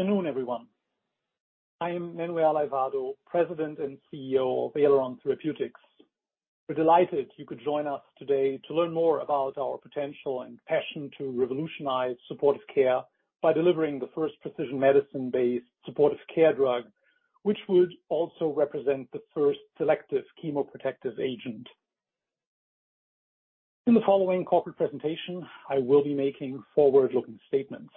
Good afternoon, everyone. I am Manuel Aivado, President and CEO of Aileron Therapeutics. We're delighted you could join us today to learn more about our potential and passion to revolutionize supportive care by delivering the first precision medicine-based supportive care drug, which would also represent the first selective chemoprotective agent. In the following corporate presentation, I will be making forward-looking statements.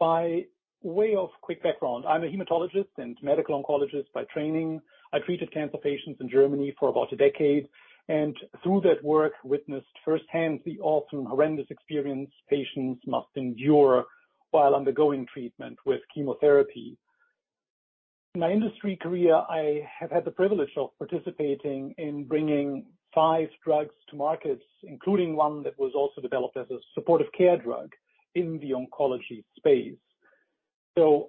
By way of quick background, I'm a hematologist and medical oncologist by training. I treated cancer patients in Germany for about a decade, and through that work, witnessed firsthand the often horrendous experience patients must endure while undergoing treatment with chemotherapy. In my industry career, I have had the privilege of participating in bringing five drugs to markets, including one that was also developed as a supportive care drug in the oncology space.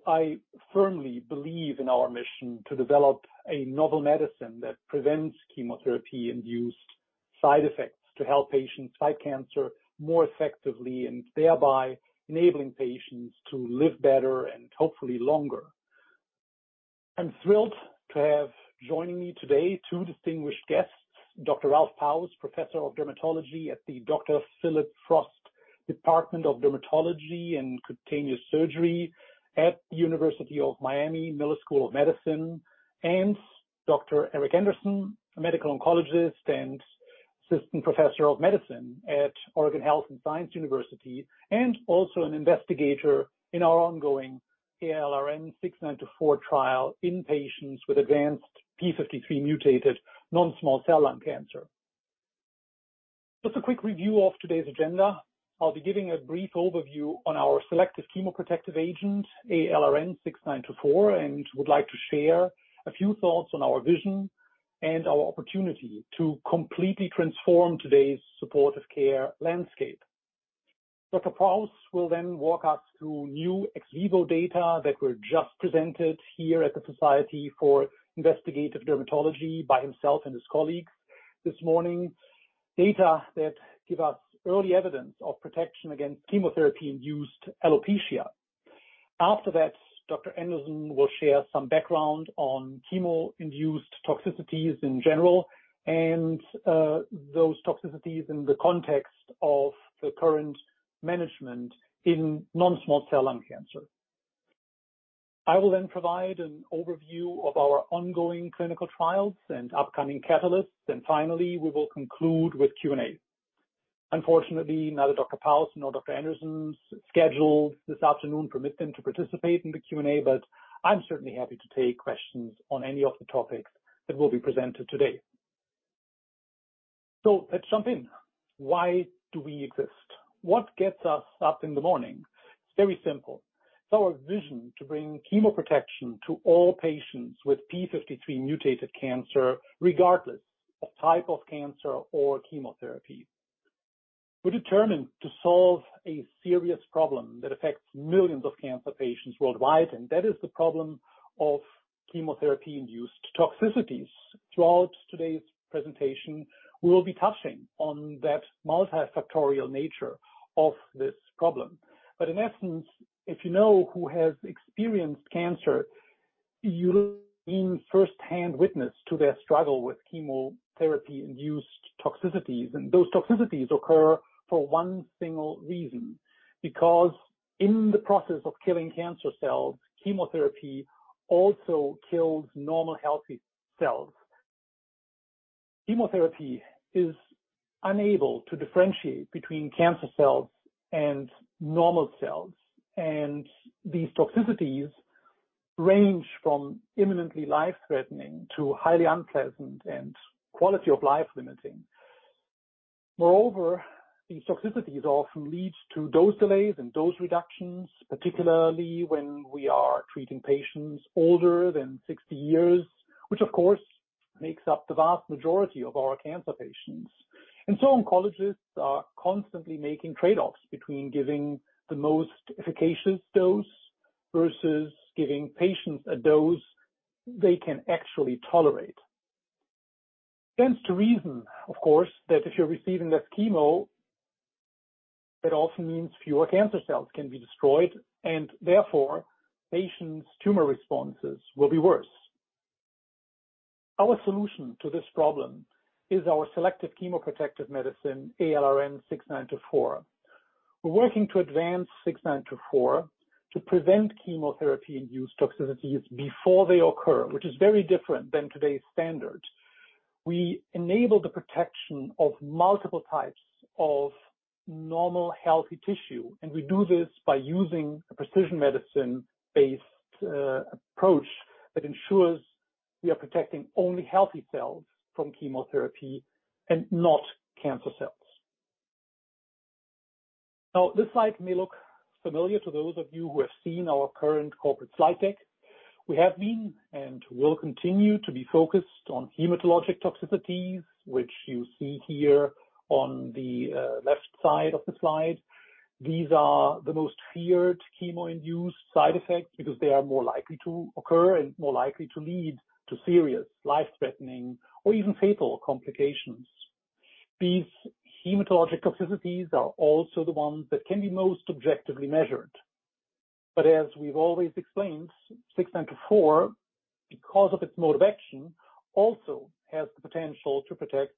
I firmly believe in our mission to develop a novel medicine that prevents chemotherapy-induced side effects to help patients fight cancer more effectively and thereby enabling patients to live better and hopefully longer. I'm thrilled to have joining me today two distinguished guests, Dr. Ralf Paus, Professor of Dermatology at the Dr. Phillip Frost Department of Dermatology and Cutaneous Surgery at University of Miami Miller School of Medicine, and Dr. Eric Anderson, a medical oncologist and Assistant Professor of Medicine at Oregon Health & Science University, and also an investigator in our ongoing ALRN-6924 trial in patients with advanced p53-mutated non-small cell lung cancer. Just a quick review of today's agenda. I'll be giving a brief overview on our selective chemoprotective agent, ALRN-6924, and would like to share a few thoughts on our vision and our opportunity to completely transform today's supportive care landscape. Dr. Paus will then walk us through new ex vivo data that were just presented here at the Society for Investigative Dermatology by himself and his colleagues this morning. Data that give us early evidence of protection against chemotherapy-induced alopecia. After that, Dr. Anderson will share some background on chemo-induced toxicities in general and those toxicities in the context of the current management in non-small cell lung cancer. I will then provide an overview of our ongoing clinical trials and upcoming catalysts. Finally, we will conclude with Q&A. Unfortunately, neither Dr. Paus nor Dr. Anderson's schedule this afternoon permit them to participate in the Q&A, but I'm certainly happy to take questions on any of the topics that will be presented today. Let's jump in. Why do we exist? What gets us up in the morning? It's very simple. It's our vision to bring chemoprotection to all patients with p53-mutated cancer, regardless of type of cancer or chemotherapy. We're determined to solve a serious problem that affects millions of cancer patients worldwide, and that is the problem of chemotherapy-induced toxicities. Throughout today's presentation, we will be touching on that multifactorial nature of this problem. In essence, if you know who has experienced cancer, you've been firsthand witness to their struggle with chemotherapy-induced toxicities, and those toxicities occur for one single reason. Because in the process of killing cancer cells, chemotherapy also kills normal healthy cells. Chemotherapy is unable to differentiate between cancer cells and normal cells, and these toxicities range from immediately life-threatening to highly unpleasant and quality of life limiting. Moreover, these toxicities often lead to dose delays and dose reductions, particularly when we are treating patients older than 60 years, which of course, makes up the vast majority of our cancer patients. Oncologists are constantly making trade-offs between giving the most efficacious dose versus giving patients a dose they can actually tolerate. Stands to reason, of course, that if you're receiving less chemo, that often means fewer cancer cells can be destroyed, and therefore, patients' tumor responses will be worse. Our solution to this problem is our selective chemoprotective medicine, ALRN-6924. We're working to advance 6924 to prevent chemotherapy-induced toxicities before they occur, which is very different than today's standard. We enable the protection of multiple types of normal healthy tissue, and we do this by using a precision medicine-based approach that ensures we are protecting only healthy cells from chemotherapy and not cancer cells. Now, this slide may look familiar to those of you who have seen our current corporate slide deck. We have been and will continue to be focused on hematologic toxicities, which you see here on the left side of the slide. These are the most feared chemo-induced side effects because they are more likely to occur and more likely to lead to serious life-threatening or even fatal complications. These hematologic toxicities are also the ones that can be most objectively measured. But as we've always explained, 6924, because of its mode of action, also has the potential to protect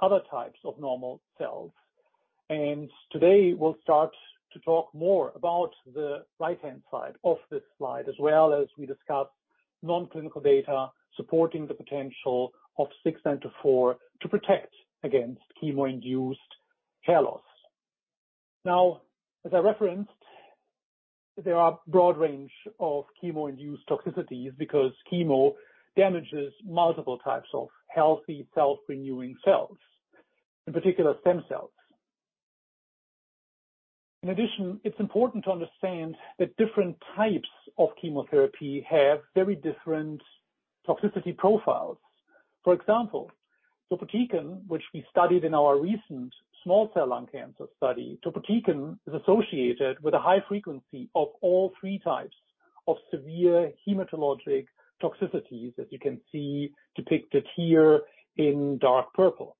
other types of normal cells. Today, we'll start to talk more about the right-hand side of this slide, as well as we discuss non-clinical data supporting the potential of 6924 to protect against chemo-induced hair loss. Now, as I referenced, there are a broad range of chemo-induced toxicities because chemo damages multiple types of healthy, self-renewing cells, in particular stem cells. In addition, it's important to understand that different types of chemotherapy have very different toxicity profiles. For example, topotecan, which we studied in our recent small cell lung cancer study, topotecan is associated with a high frequency of all three types of severe hematologic toxicities, as you can see depicted here in dark purple.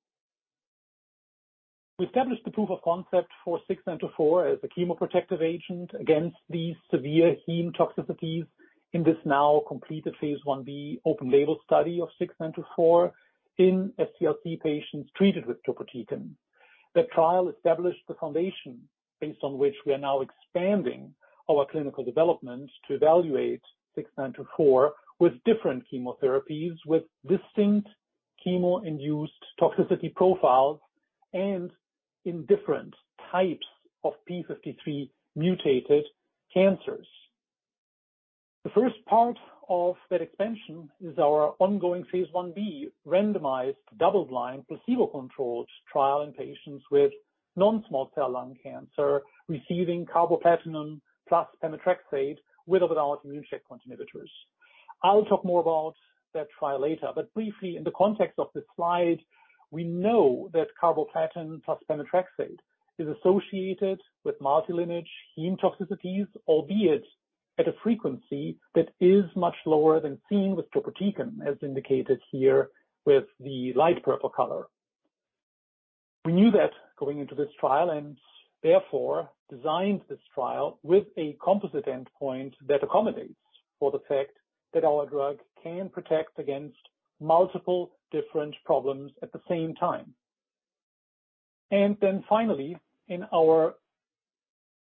We established the proof of concept for 6924 as a chemoprotective agent against these severe heme toxicities in this now completed phase I-B open-label study of 6924 in SCLC patients treated with topotecan. The trial established the foundation based on which we are now expanding our clinical development to evaluate 6924 with different chemotherapies with distinct chemo-induced toxicity profiles and in different types of p53-mutated cancers. The first part of that expansion is our ongoing phase I-B randomized double-blind placebo-controlled trial in patients with non-small cell lung cancer receiving carboplatin plus pemetrexed without immune checkpoint inhibitors. I'll talk more about that trial later, but briefly in the context of this slide, we know that carboplatin plus pemetrexed is associated with multi-lineage heme toxicities, albeit at a frequency that is much lower than seen with topotecan, as indicated here with the light purple color. We knew that going into this trial and therefore designed this trial with a composite endpoint that accommodates for the fact that our drug can protect against multiple different problems at the same time. Then finally, in our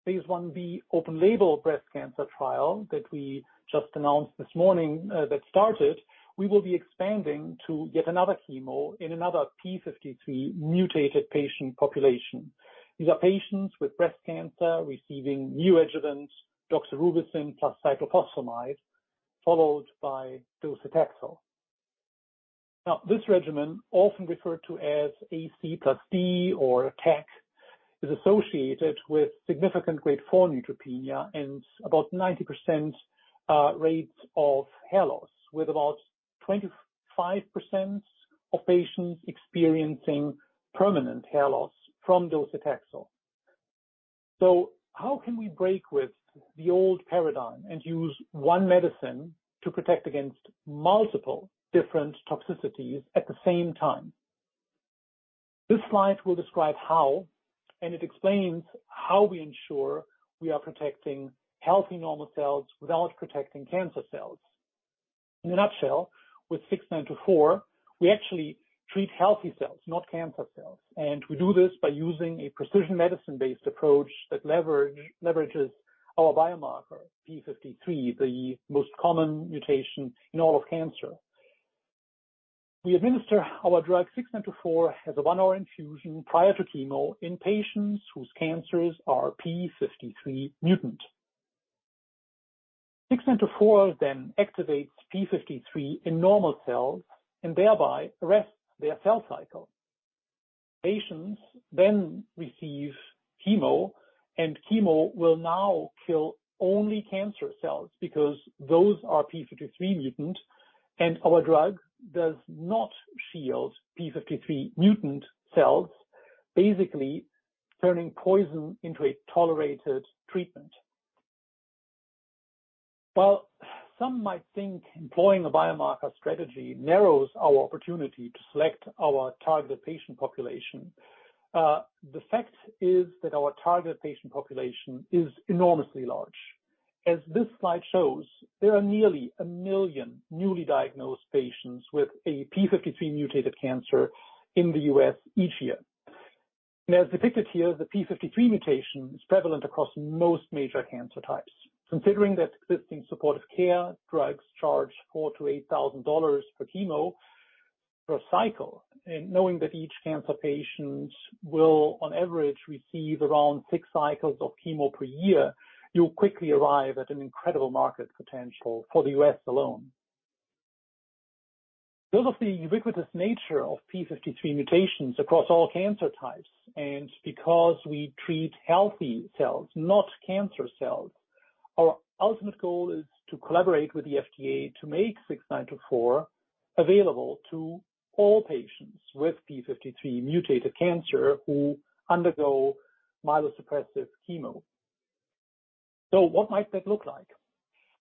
phase I-B open label breast cancer trial that we just announced this morning, that started, we will be expanding to yet another chemo in another p53-mutated patient population. These are patients with breast cancer receiving new regimens, doxorubicin plus cyclophosphamide, followed by docetaxel. Now, this regimen, often referred to as AC+D or TAC, is associated with significant grade 4 neutropenia and about 90% rates of hair loss, with about 25% of patients experiencing permanent hair loss from docetaxel. How can we break with the old paradigm and use one medicine to protect against multiple different toxicities at the same time? This slide will describe how, and it explains how we ensure we are protecting healthy normal cells without protecting cancer cells. In a nutshell, with 6924, we actually treat healthy cells, not cancer cells. We do this by using a precision medicine-based approach that leverages our biomarker, p53, the most common mutation in all of cancer. We administer our drug ALRN-6924 as a one-hour infusion prior to chemo in patients whose cancers are p53 mutant. ALRN-6924 then activates p53 in normal cells and thereby arrests their cell cycle. Patients then receive chemo, and chemo will now kill only cancer cells because those are p53 mutant and our drug does not shield p53 mutant cells, basically turning poison into a tolerated treatment. While some might think employing a biomarker strategy narrows our opportunity to select our targeted patient population, the fact is that our targeted patient population is enormously large. As this slide shows, there are nearly a million newly diagnosed patients with a p53-mutated cancer in the U.S. each year. As depicted here, the p53 mutation is prevalent across most major cancer types. Considering that existing supportive care drugs charge $4,000-$8,000 per chemo per cycle, and knowing that each cancer patient will on average receive around six cycles of chemo per year, you'll quickly arrive at an incredible market potential for the U.S. alone. Because of the ubiquitous nature of p53 mutations across all cancer types, and because we treat healthy cells, not cancer cells, our ultimate goal is to collaborate with the FDA to make 6924 available to all patients with p53-mutated cancer who undergo myelosuppressive chemo. What might that look like?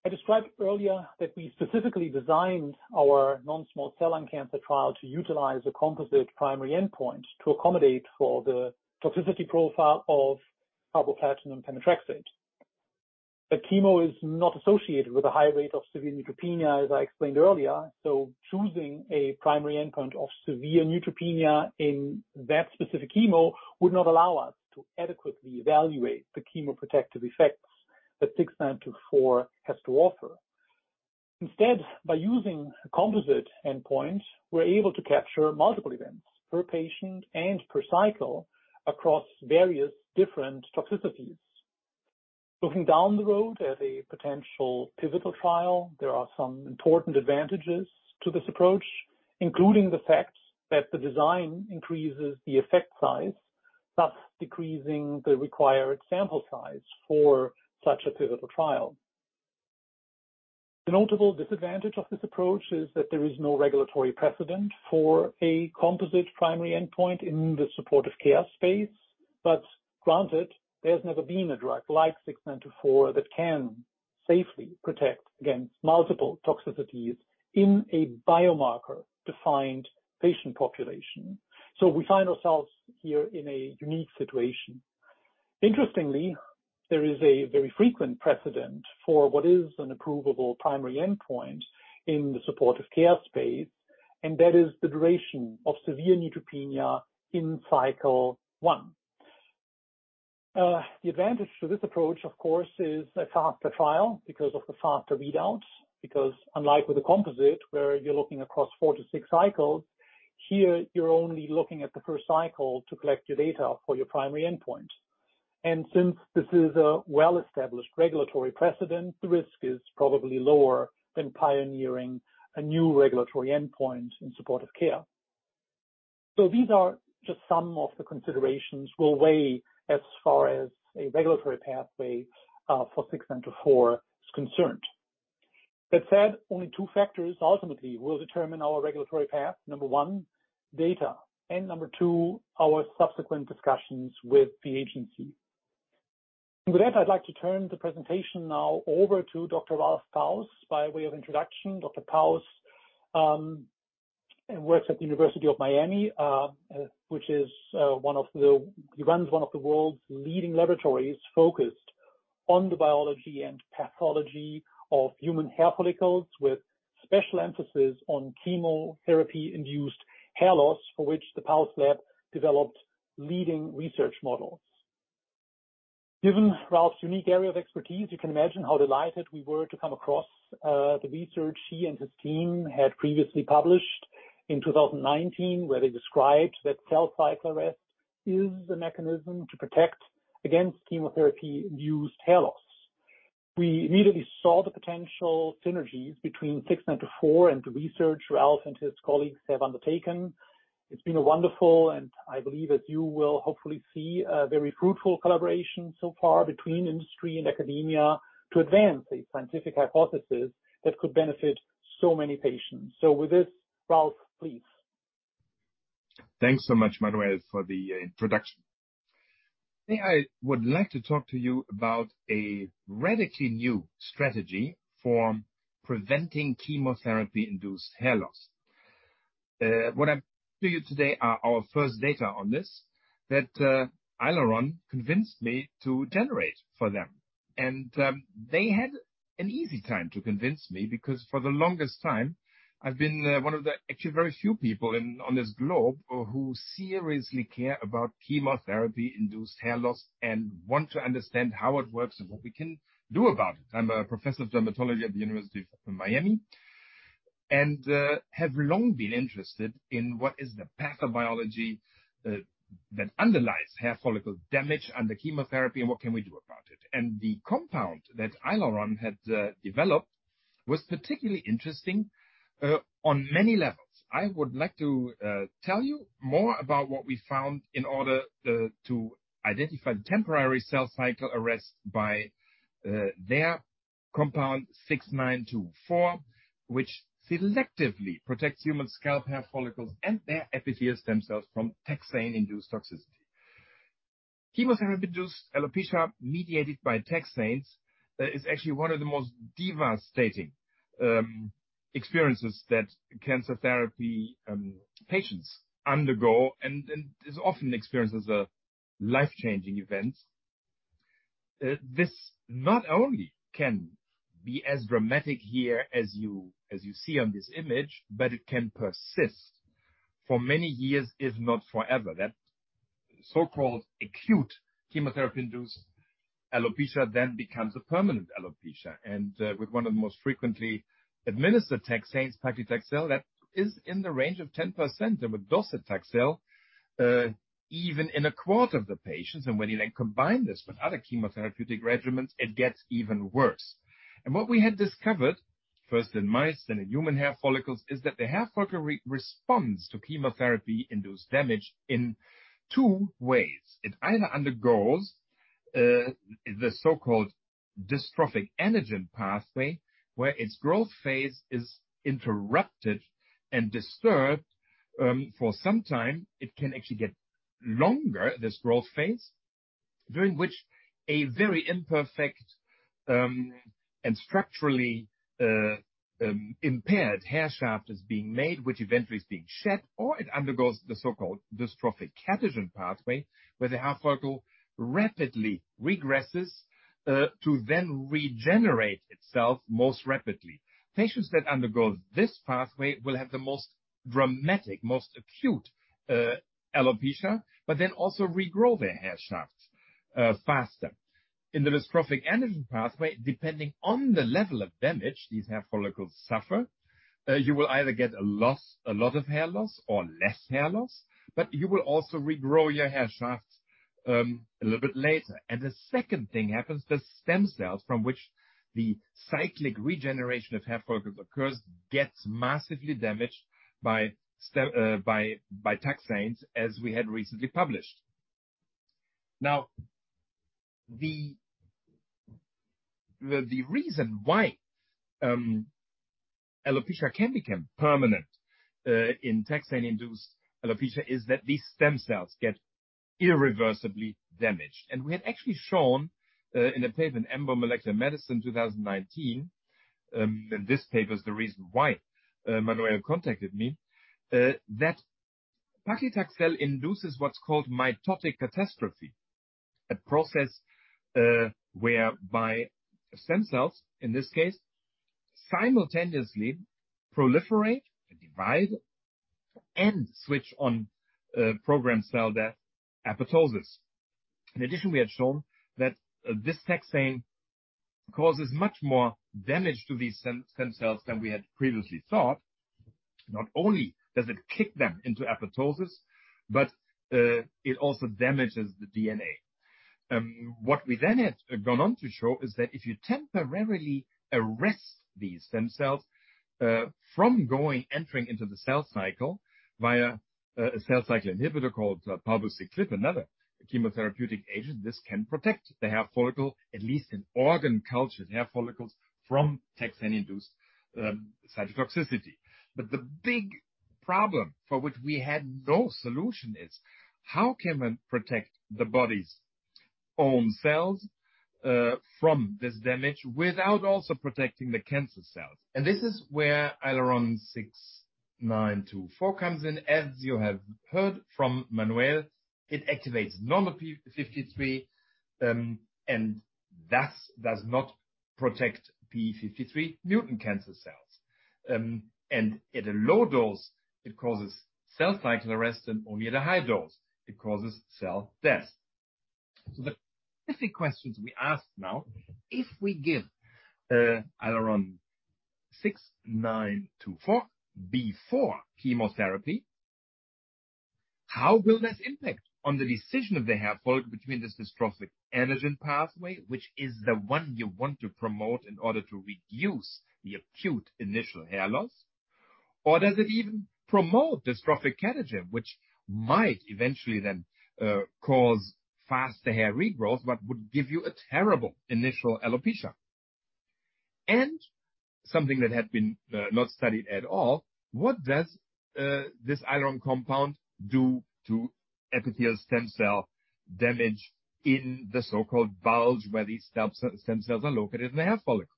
I described earlier that we specifically designed our non-small cell lung cancer trial to utilize a composite primary endpoint to accommodate for the toxicity profile of carboplatin and pemetrexed. The chemo is not associated with a high rate of severe neutropenia, as I explained earlier. Choosing a primary endpoint of severe neutropenia in that specific chemo would not allow us to adequately evaluate the chemoprotective effects that 6924 has to offer. Instead, by using a composite endpoint, we're able to capture multiple events per patient and per cycle across various different toxicities. Looking down the road at a potential pivotal trial, there are some important advantages to this approach, including the fact that the design increases the effect size, thus decreasing the required sample size for such a pivotal trial. The notable disadvantage of this approach is that there is no regulatory precedent for a composite primary endpoint in the supportive care space. Granted, there's never been a drug like 6924 that can safely protect against multiple toxicities in a biomarker-defined patient population. We find ourselves here in a unique situation. Interestingly, there is a very frequent precedent for what is an approvable primary endpoint in the supportive care space, and that is the duration of severe neutropenia in cycle one. The advantage to this approach, of course, is a faster trial because of the faster readouts, because unlike with the composite, where you're looking across four to six cycles, here you're only looking at the first cycle to collect your data for your primary endpoint. Since this is a well-established regulatory precedent, the risk is probably lower than pioneering a new regulatory endpoint in supportive care. These are just some of the considerations we'll weigh as far as a regulatory pathway for 6924 is concerned. That said, only two factors ultimately will determine our regulatory path. Number one, data, and number two, our subsequent discussions with the agency. With that, I'd like to turn the presentation now over to Dr. Ralf Paus. By way of introduction, Dr. Paus works at the University of Miami, which is one of the. He runs one of the world's leading laboratories focused on the biology and pathology of human hair follicles, with special emphasis on chemotherapy-induced hair loss, for which the Paus Lab developed leading research models. Given Ralf's unique area of expertise, you can imagine how delighted we were to come across the research he and his team had previously published in 2019, where they described that cell cycle arrest is the mechanism to protect against chemotherapy-induced hair loss. We immediately saw the potential synergies between 6924 and the research Ralf and his colleagues have undertaken. It's been a wonderful, and I believe, as you will hopefully see, a very fruitful collaboration so far between industry and academia to advance a scientific hypothesis that could benefit so many patients. With this, Ralf, please. Thanks so much, Manuel, for the introduction. I would like to talk to you about a radically new strategy for preventing chemotherapy-induced hair loss. What I bring to you today are our first data on this that Aileron convinced me to generate for them. They had an easy time to convince me, because for the longest time, I've been one of the actually very few people on this globe who seriously care about chemotherapy-induced hair loss and want to understand how it works and what we can do about it. I'm a professor of dermatology at the University of Miami and have long been interested in what is the pathobiology that underlies hair follicle damage under chemotherapy, and what we can do about it. The compound that Aileron had developed was particularly interesting on many levels. I would like to tell you more about what we found in order to identify the temporary cell cycle arrest by their compound, 6924, which selectively protects human scalp hair follicles and their epithelial stem cells from taxane-induced toxicity. Chemotherapy-induced alopecia mediated by taxanes is actually one of the most devastating experiences that cancer therapy patients undergo and is often experienced as a life-changing event. This not only can be as dramatic here as you see on this image, but it can persist for many years, if not forever. That so-called acute chemotherapy-induced alopecia then becomes a permanent alopecia. With one of the most frequently administered taxanes, paclitaxel, that is in the range of 10%, and with docetaxel, even in a quarter of the patients. When you then combine this with other chemotherapeutic regimens, it gets even worse. What we had discovered, first in mice, then in human hair follicles, is that the hair follicle re-responds to chemotherapy-induced damage in two ways. It either undergoes, the so-called dystrophic anagen pathway, where its growth phase is interrupted and disturbed, for some time, it can actually get longer, this growth phase, during which a very imperfect, and structurally, impaired hair shaft is being made, which eventually is being shed, or it undergoes the so-called dystrophic catagen pathway, where the hair follicle rapidly regresses, to then regenerate itself most rapidly. Patients that undergo this pathway will have the most dramatic, most acute, alopecia, but then also regrow their hair shafts, faster. In the dystrophic anagen pathway, depending on the level of damage these hair follicles suffer, you will either get a loss, a lot of hair loss or less hair loss, but you will also regrow your hair shafts, a little bit later. The second thing happens, the stem cells from which the cyclic regeneration of hair follicles occurs gets massively damaged by taxanes, as we had recently published. Now, the reason why, alopecia can become permanent, in taxane-induced alopecia is that these stem cells get irreversibly damaged. We had actually shown, in a paper in EMBO Molecular Medicine, 2019, and this paper is the reason why, Manuel contacted me, that paclitaxel induces what's called mitotic catastrophe, a process, whereby stem cells, in this case, simultaneously proliferate and divide and switch on, programmed cell death, apoptosis. In addition, we had shown that this taxane causes much more damage to these stem cells than we had previously thought. Not only does it kick them into apoptosis, but, it also damages the DNA. What we then had gone on to show is that if you temporarily arrest these stem cells, from entering into the cell cycle via a cell cycle inhibitor called palbociclib, another chemotherapeutic agent, this can protect the hair follicle, at least in organ culture, the hair follicles from taxane-induced, cytotoxicity. The big problem for which we had no solution is how can one protect the body's own cells from this damage without also protecting the cancer cells? This is where ALRN-6924 comes in. As you have heard from Manuel, it activates normal p53 and thus does not protect p53 mutant cancer cells. At a low dose, it causes cell cycle arrest, and only at a high dose it causes cell death. The specific questions we ask now, if we give ALRN-6924 before chemotherapy, how will this impact on the decision of the hair follicle between this dystrophic anagen pathway, which is the one you want to promote in order to reduce the acute initial hair loss? Does it even promote dystrophic catagen, which might eventually then cause faster hair regrowth, but would give you a terrible initial alopecia? Something that had been not studied at all, what does this Aileron compound do to epithelial stem cell damage in the so-called bulge where these stem cells are located in the hair follicle?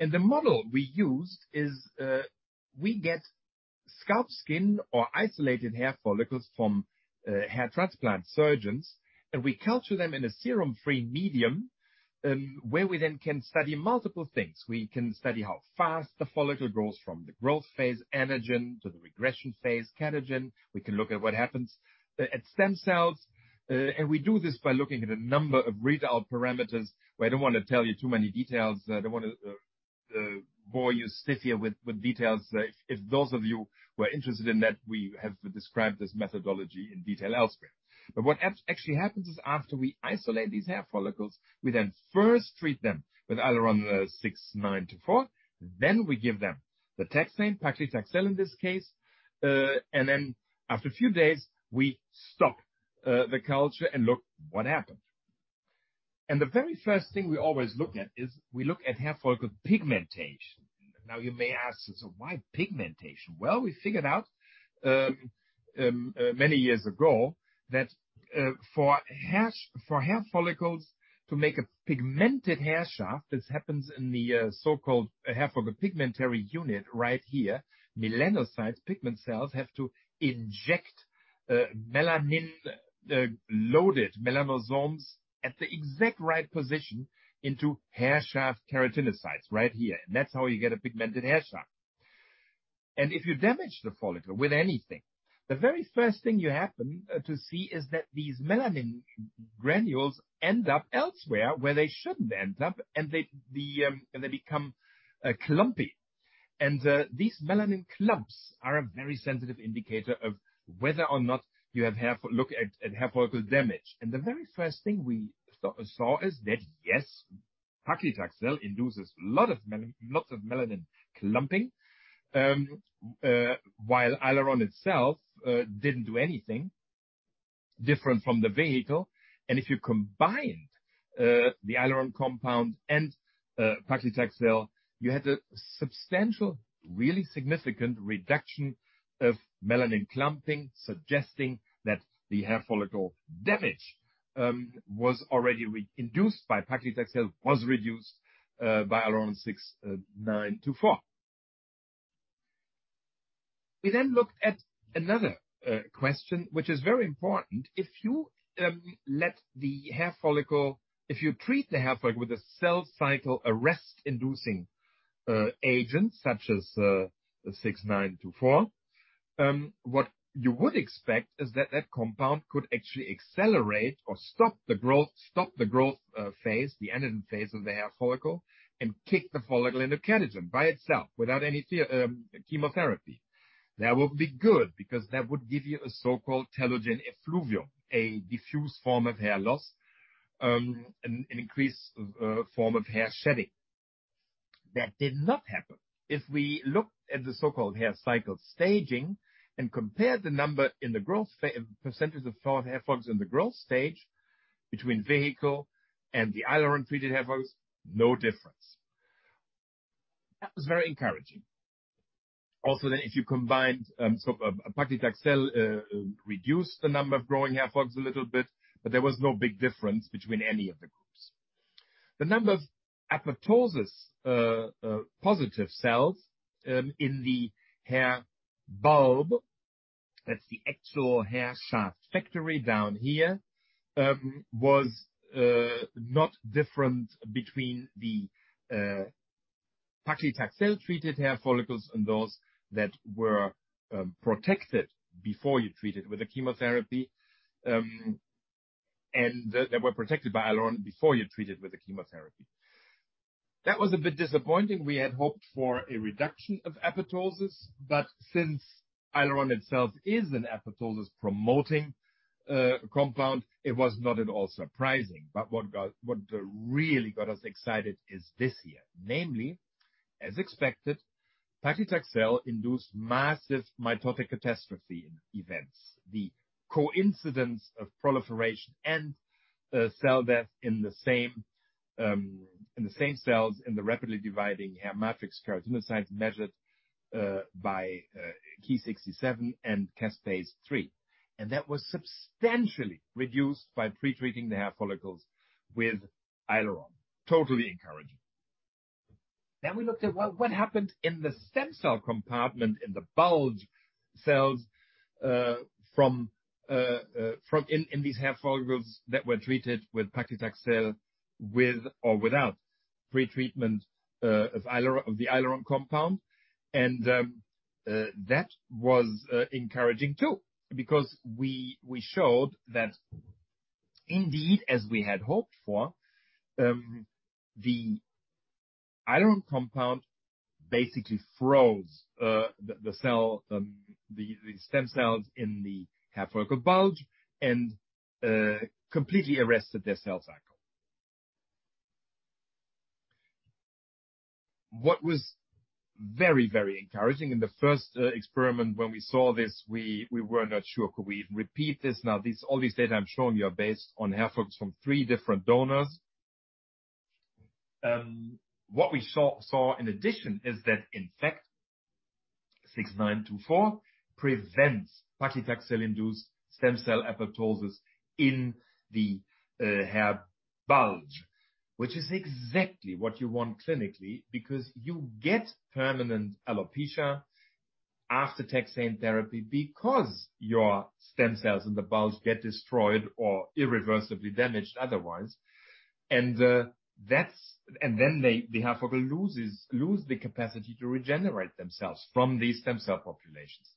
The model we use is we get scalp skin or isolated hair follicles from hair transplant surgeons, and we culture them in a serum-free medium, where we then can study multiple things. We can study how fast the follicle grows from the growth phase, anagen, to the regression phase, catagen. We can look at what happens at stem cells. We do this by looking at a number of readout parameters where I don't want to tell you too many details. I don't want to bore you stiff here with details. If those of you who are interested in that, we have described this methodology in detail elsewhere. Actually happens is after we isolate these hair follicles, we then first treat them with Aileron 6924. We give them the taxane, paclitaxel in this case, and then after a few days, we stop the culture and look what happened. The very first thing we always look at is we look at hair follicle pigmentation. Now you may ask, so why pigmentation? Well, we figured out many years ago that for hair follicles to make a pigmented hair shaft, this happens in the so-called hair follicle pigmentary unit right here. Melanocytes, pigment cells, have to inject melanin loaded melanosomes at the exact right position into hair shaft keratinocytes right here. That's how you get a pigmented hair shaft. If you damage the follicle with anything, the very first thing you happen to see is that these melanin granules end up elsewhere where they shouldn't end up, and they become clumpy. These melanin clumps are a very sensitive indicator of whether or not you have hair follicle damage. The very first thing we saw is that, yes, paclitaxel induces lots of melanin clumping while Aileron itself didn't do anything different from the vehicle. If you combined the Aileron compound and paclitaxel, you had a substantial, really significant reduction of melanin clumping, suggesting that the hair follicle damage was already re-induced by paclitaxel, was reduced by around 6924. We then looked at another question, which is very important. If you treat the hair follicle with a cell cycle arrest-inducing agent such as 6924, what you would expect is that that compound could actually accelerate or stop the growth phase, the anagen phase of the hair follicle, and kick the follicle into catagen by itself without any chemotherapy. That would be good because that would give you a so-called telogen effluvium, a diffuse form of hair loss, an increased form of hair shedding. That did not happen. If we look at the so-called hair cycle staging and compare the percentage of hair follicles in the growth stage between vehicle and the Aileron-treated hair follicles, no difference. That was very encouraging. Paclitaxel reduced the number of growing hair follicles a little bit, but there was no big difference between any of the groups. The number of apoptosis positive cells in the hair bulb, that's the actual hair shaft factory down here, was not different between the paclitaxel-treated hair follicles and those that were protected by Aileron before you treat it with the chemotherapy. That was a bit disappointing. We had hoped for a reduction of apoptosis, but since Aileron itself is an apoptosis-promoting compound, it was not at all surprising. What really got us excited is this here. Namely, as expected, paclitaxel induced massive mitotic catastrophe in events, the coincidence of proliferation and cell death in the same cells in the rapidly dividing hair matrix keratinocytes measured by Ki-67 and caspase-3. That was substantially reduced by pre-treating the hair follicles with Aileron. Totally encouraging. We looked at what happened in the stem cell compartment in the bulge cells from these hair follicles that were treated with paclitaxel with or without pretreatment of Aileron, of the Aileron compound. That was encouraging too, because we showed that indeed, as we had hoped for, the Aileron compound basically froze the stem cells in the hair follicle bulge and completely arrested their cell cycle. What was very, very encouraging in the first experiment when we saw this, we were not sure could we repeat this. Now, all these data I'm showing you are based on hair follicles from three different donors. What we saw in addition is that in fact, 6924 prevents paclitaxel-induced stem cell apoptosis in the hair bulge, which is exactly what you want clinically because you get permanent alopecia after taxane therapy because your stem cells in the bulge get destroyed or irreversibly damaged otherwise. They, the hair follicle, lose the capacity to regenerate themselves from these stem cell populations.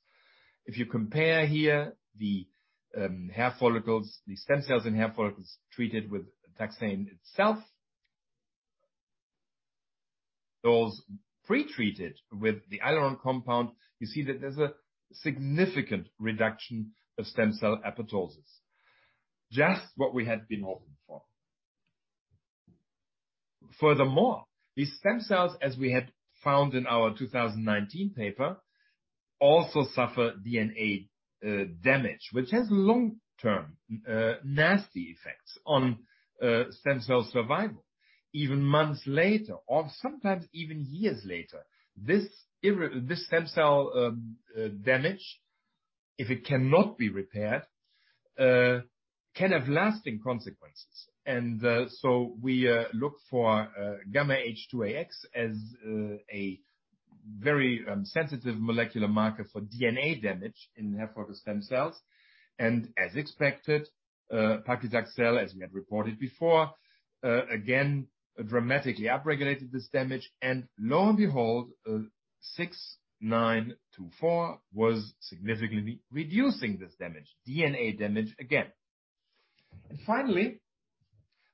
If you compare here the hair follicles, the stem cells in hair follicles treated with taxane itself, those pre-treated with the Aileron compound, you see that there's a significant reduction of stem cell apoptosis. Just what we had been hoping for. Furthermore, these stem cells, as we had found in our 2019 paper, also suffer DNA damage, which has long-term nasty effects on stem cell survival, even months later or sometimes even years later. This stem cell damage, if it cannot be repaired, can have lasting consequences. We look for y-H2AX as a very sensitive molecular marker for DNA damage in hair follicle stem cells. As expected, paclitaxel, as we had reported before, again dramatically upregulated this damage. Lo and behold, 6924 was significantly reducing this damage, DNA damage again. Finally,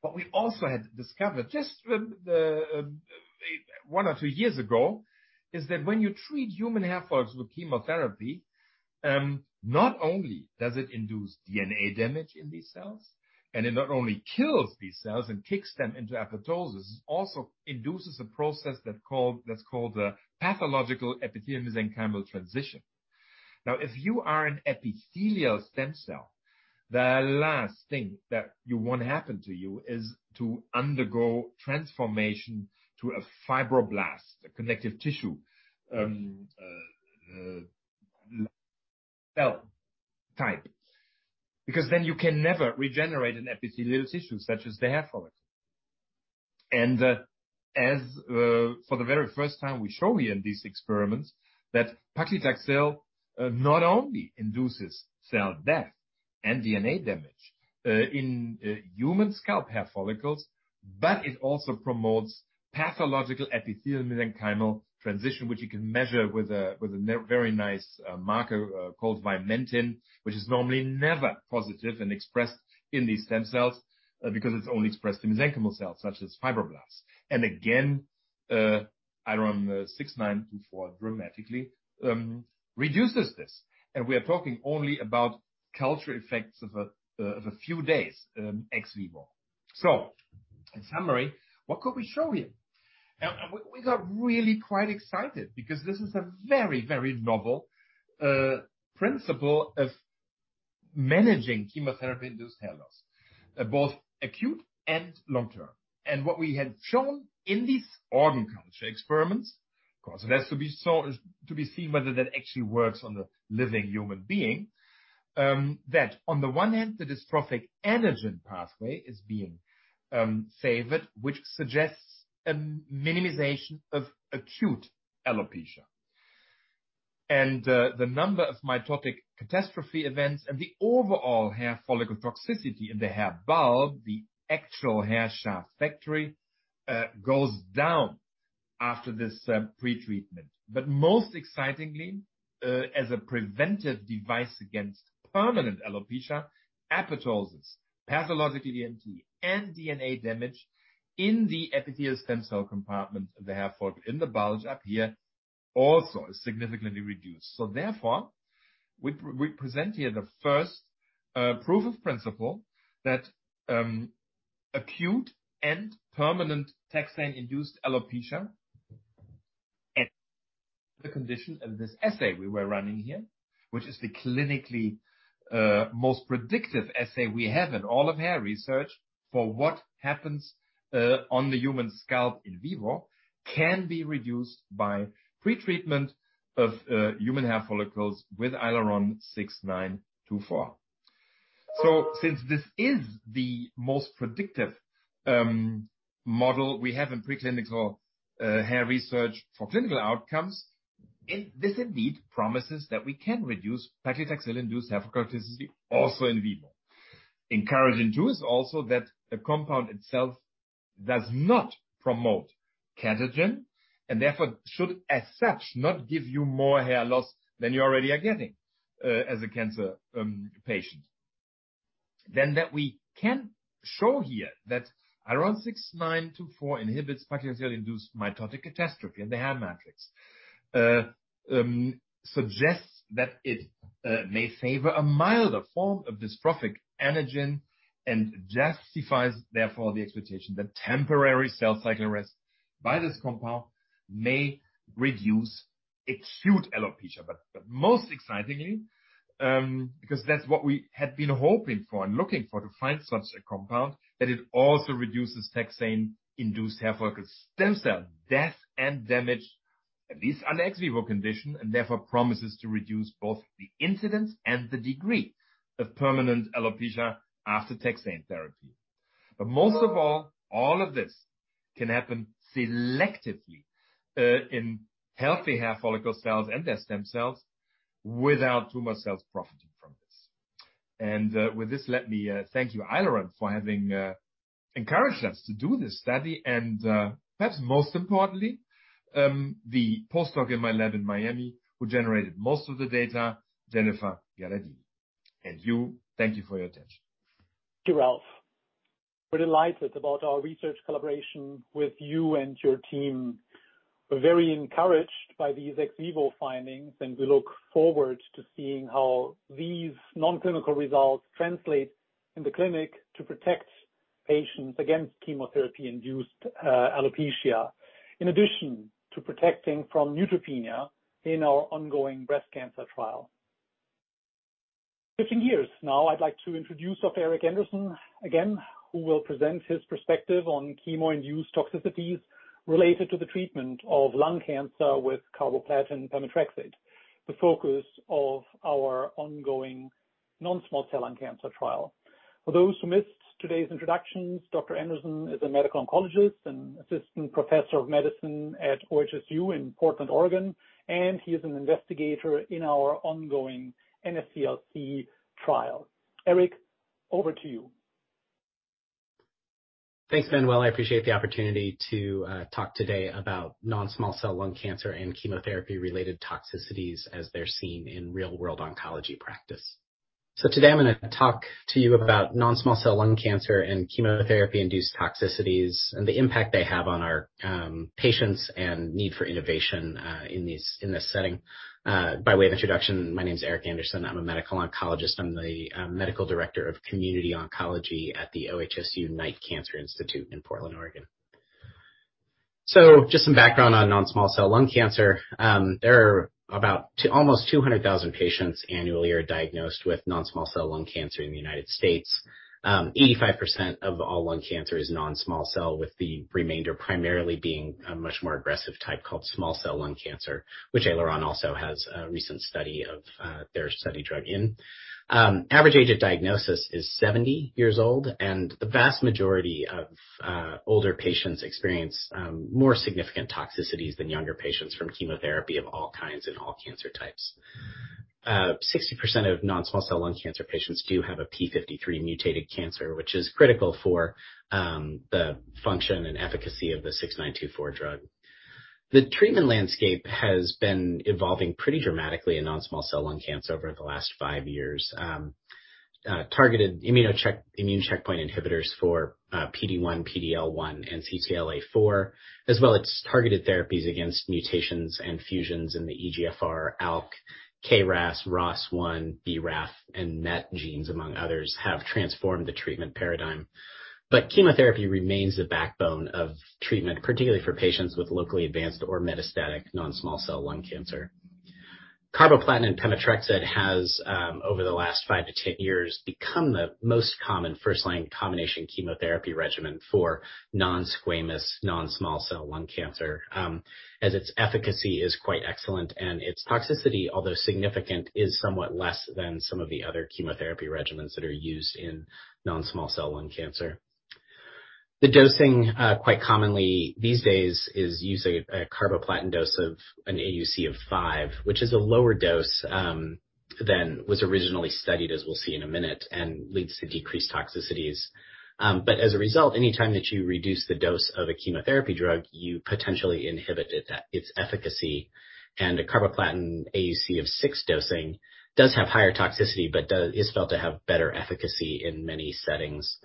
what we also had discovered just one or two years ago, is that when you treat human hair follicles with chemotherapy, not only does it induce DNA damage in these cells, and it not only kills these cells and kicks them into apoptosis, it also induces a process that's called a pathological epithelial-mesenchymal transition. Now, if you are an epithelial stem cell, the last thing that you want happen to you is to undergo transformation to a fibroblast, a connective tissue cell type, because then you can never regenerate an epithelial tissue such as the hair follicle. As for the very first time we show here in these experiments that paclitaxel not only induces cell death and DNA damage in human scalp hair follicles, but it also promotes pathological epithelial-mesenchymal transition, which you can measure with a very nice marker called vimentin. Which is normally never positive and expressed in these stem cells because it's only expressed in mesenchymal cells such as fibroblasts. Again, ALRN-6924 dramatically reduces this. We are talking only about cultured effects of a few days ex vivo. In summary, what could we show here? Now we got really quite excited because this is a very, very novel principle of managing chemotherapy-induced hair loss both acute and long-term. What we had shown in these organ culture experiments, of course, it has to be so to be seen whether that actually works on the living human being. That on the one hand, the dystrophic anagen pathway is being favored, which suggests a minimization of acute alopecia. The number of mitotic catastrophe events and the overall hair follicle toxicity in the hair bulb, the actual hair shaft factory, goes down after this pre-treatment. Most excitingly, as a preventive device against permanent alopecia, apoptosis, pathologic EMT and DNA damage in the epithelial stem cell compartment of the hair follicle in the bulge up here also is significantly reduced. Therefore, we present here the first proof of principle that acute and permanent taxane-induced alopecia at the condition of this assay we were running here. Which is the clinically most predictive assay we have in all of hair research for what happens on the human scalp in vivo, can be reduced by pretreatment of human hair follicles with Aileron 6924. Since this is the most predictive model we have in preclinical hair research for clinical outcomes, it indeed promises that we can reduce paclitaxel-induced hair follicle toxicity also in vivo. Encouraging too is also that the compound itself does not promote catagen, and therefore should as such not give you more hair loss than you already are getting as a cancer patient. That we can show here that Aileron 6924 inhibits paclitaxel-induced mitotic catastrophe in the hair matrix suggests that it may favor a milder form of dystrophic anagen. Justifies, therefore, the expectation that temporary cell cycle arrest by this compound may reduce acute alopecia. But most excitingly, because that's what we had been hoping for and looking for to find such a compound, that it also reduces taxane-induced hair follicle stem cell death and damage, at least under ex vivo condition, and therefore promises to reduce both the incidence and the degree of permanent alopecia after taxane therapy. But most of all of this can happen selectively in healthy hair follicle cells and their stem cells without tumor cells profiting from this. With this, let me thank you Aileron for having encouraged us to do this study. Perhaps most importantly, the postdoc in my lab in Miami who generated most of the data, Jennifer Gherardini. You, thank you for your attention. Thank you, Ralf. We're delighted about our research collaboration with you and your team. We're very encouraged by these ex vivo findings, and we look forward to seeing how these non-clinical results translate in the clinic to protect patients against chemotherapy-induced alopecia. In addition to protecting from neutropenia in our ongoing breast cancer trial. Switching gears now, I'd like to introduce Dr. Eric Anderson again, who will present his perspective on chemo-induced toxicities related to the treatment of lung cancer with carboplatin pemetrexed, the focus of our ongoing non-small cell lung cancer trial. For those who missed today's introductions, Dr. Anderson is a medical oncologist and assistant professor of medicine at OHSU in Portland, Oregon, and he is an investigator in our ongoing NSCLC trial. Eric, over to you. Thanks, Manuel. I appreciate the opportunity to talk today about non-small cell lung cancer and chemotherapy-related toxicities as they're seen in real-world oncology practice. Today I'm gonna talk to you about non-small cell lung cancer and chemotherapy-induced toxicities, and the impact they have on our patients and need for innovation in this setting. By way of introduction, my name is Eric Anderson. I'm a medical oncologist. I'm the Medical Director of Community Oncology at the OHSU Knight Cancer Institute in Portland, Oregon. Just some background on non-small cell lung cancer. There are about almost 200,000 patients annually are diagnosed with non-small cell lung cancer in the United States. 85% of all lung cancer is non-small cell, with the remainder primarily being a much more aggressive type called small cell lung cancer, which Aileron also has a recent study of their study drug in. Average age at diagnosis is 70 years old, and the vast majority of older patients experience more significant toxicities than younger patients from chemotherapy of all kinds and all cancer types. 60% of non-small cell lung cancer patients do have a p53-mutated cancer, which is critical for the function and efficacy of the ALRN-6924 drug. The treatment landscape has been evolving pretty dramatically in non-small cell lung cancer over the last five years. Targeted immune checkpoint inhibitors for PD-1, PD-L1, and CTLA-4, as well as targeted therapies against mutations and fusions in the EGFR, ALK, KRAS, ROS1, BRAF, and MET genes, among others, have transformed the treatment paradigm. Chemotherapy remains the backbone of treatment, particularly for patients with locally advanced or metastatic non-small cell lung cancer. Carboplatin and pemetrexed has over the last 5-10 years become the most common first-line combination chemotherapy regimen for non-squamous, non-small cell lung cancer, as its efficacy is quite excellent and its toxicity, although significant, is somewhat less than some of the other chemotherapy regimens that are used in non-small cell lung cancer. The dosing, quite commonly these days is using a carboplatin dose of an AUC of 5, which is a lower dose, than was originally studied, as we'll see in a minute, and leads to decreased toxicities. As a result, anytime that you reduce the dose of a chemotherapy drug, you potentially inhibit its efficacy. A carboplatin AUC of 6 dosing does have higher toxicity, but is felt to have better efficacy in many settings.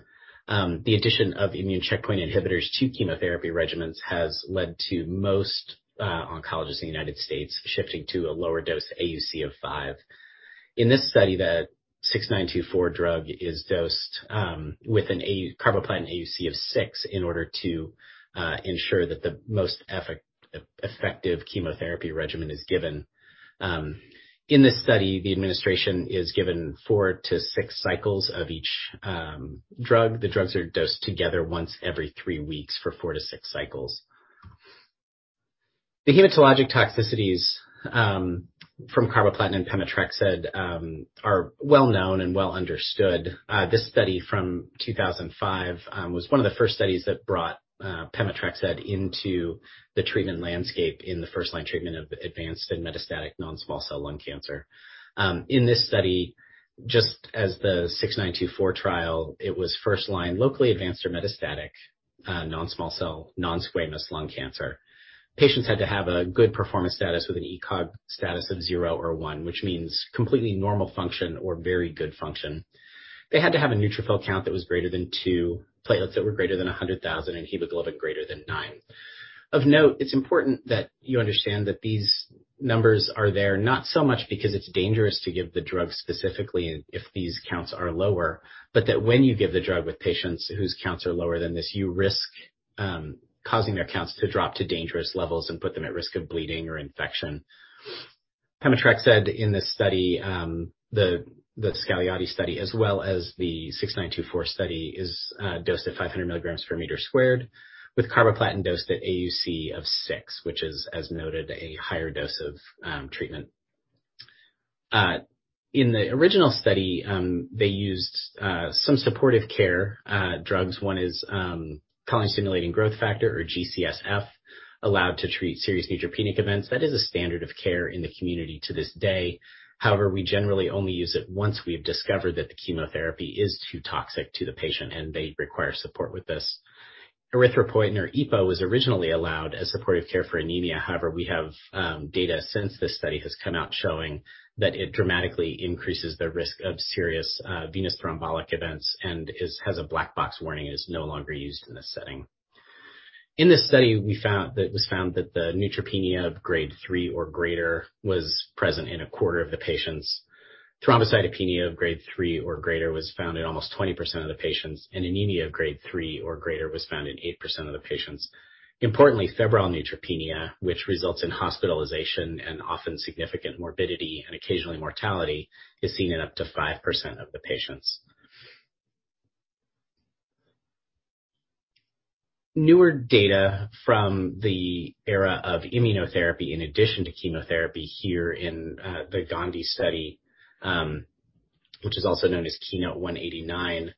The addition of immune checkpoint inhibitors to chemotherapy regimens has led to most oncologists in the United States shifting to a lower dose AUC of 5. In this study, the 6924 drug is dosed with a carboplatin AUC of 6 in order to ensure that the most effective chemotherapy regimen is given. In this study, the administration is given four to six cycles of each drug. The drugs are dosed together once every three weeks for four to six cycles. The hematologic toxicities from carboplatin and pemetrexed are well known and well understood. This study from 2005 was one of the first studies that brought pemetrexed into the treatment landscape in the first-line treatment of advanced and metastatic non-small cell lung cancer. In this study, just as the 6924 trial, it was first-line locally advanced or metastatic non-small cell, non-squamous lung cancer. Patients had to have a good performance status with an ECOG status of 0 or 1, which means completely normal function or very good function. They had to have a neutrophil count that was greater than 2, platelets that were greater than 100,000, and hemoglobin greater than 9. Of note, it's important that you understand that these numbers are there not so much because it's dangerous to give the drug specifically if these counts are lower, but that when you give the drug with patients whose counts are lower than this, you risk causing their counts to drop to dangerous levels and put them at risk of bleeding or infection. Pemetrexed in this study, the Scagliotti study, as well as the 6924 study, is dosed at 500 mg per meter squared with carboplatin dosed at AUC of 6, which is, as noted, a higher dose of treatment. In the original study, they used some supportive care drugs. One is colony-stimulating growth factor, or GCSF, allowed to treat serious neutropenia. That is a standard of care in the community to this day. However, we generally only use it once we've discovered that the chemotherapy is too toxic to the patient and they require support with this. Erythropoietin, or EPO, was originally allowed as supportive care for anemia. However, we have data since this study has come out showing that it dramatically increases the risk of serious venous thrombotic events and has a black box warning and is no longer used in this setting. In this study, it was found that the neutropenia of grade 3 or greater was present in a quarter of the patients. Thrombocytopenia of grade 3 or greater was found in almost 20% of the patients, and anemia of grade 3 or greater was found in 8% of the patients. Importantly, febrile neutropenia, which results in hospitalization and often significant morbidity and occasionally mortality, is seen in up to 5% of the patients. Newer data from the era of immunotherapy in addition to chemotherapy here in the Gandhi study, which is also known as KEYNOTE-189,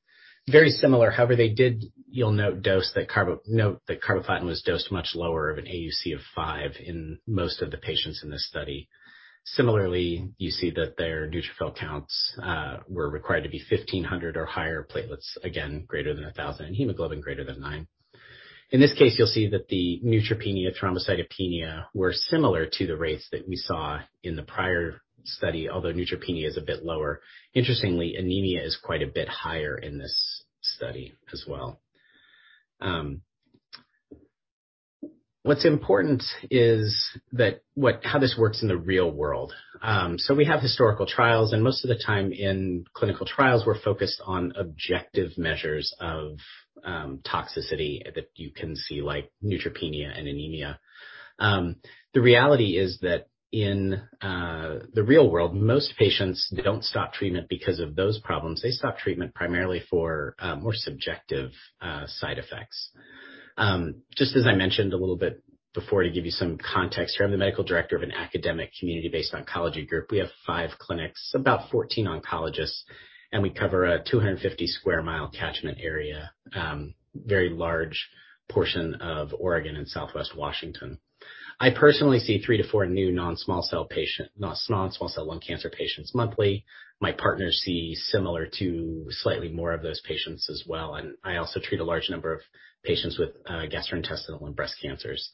very similar. However, they did, you'll note that carboplatin was dosed much lower of an AUC of 5 in most of the patients in this study. Similarly, you see that their neutrophil counts were required to be 1,500 or higher, platelets, again, greater than 1,000, and hemoglobin greater than 9. In this case, you'll see that the neutropenia, thrombocytopenia were similar to the rates that we saw in the prior study, although neutropenia is a bit lower. Interestingly, anemia is quite a bit higher in this study as well. What's important is that how this works in the real world. We have historical trials, and most of the time in clinical trials, we're focused on objective measures of toxicity that you can see, like neutropenia and anemia. The reality is that in the real world, most patients don't stop treatment because of those problems. They stop treatment primarily for more subjective side effects. Just as I mentioned a little bit before, to give you some context here, I'm the medical director of an academic community-based oncology group. We have five clinics, about 14 oncologists, and we cover a 250 sq mi catchment area, very large portion of Oregon and Southwest Washington. I personally see three to four new non-small cell lung cancer patients monthly. My partners see similar to slightly more of those patients as well, and I also treat a large number of patients with gastrointestinal and breast cancers.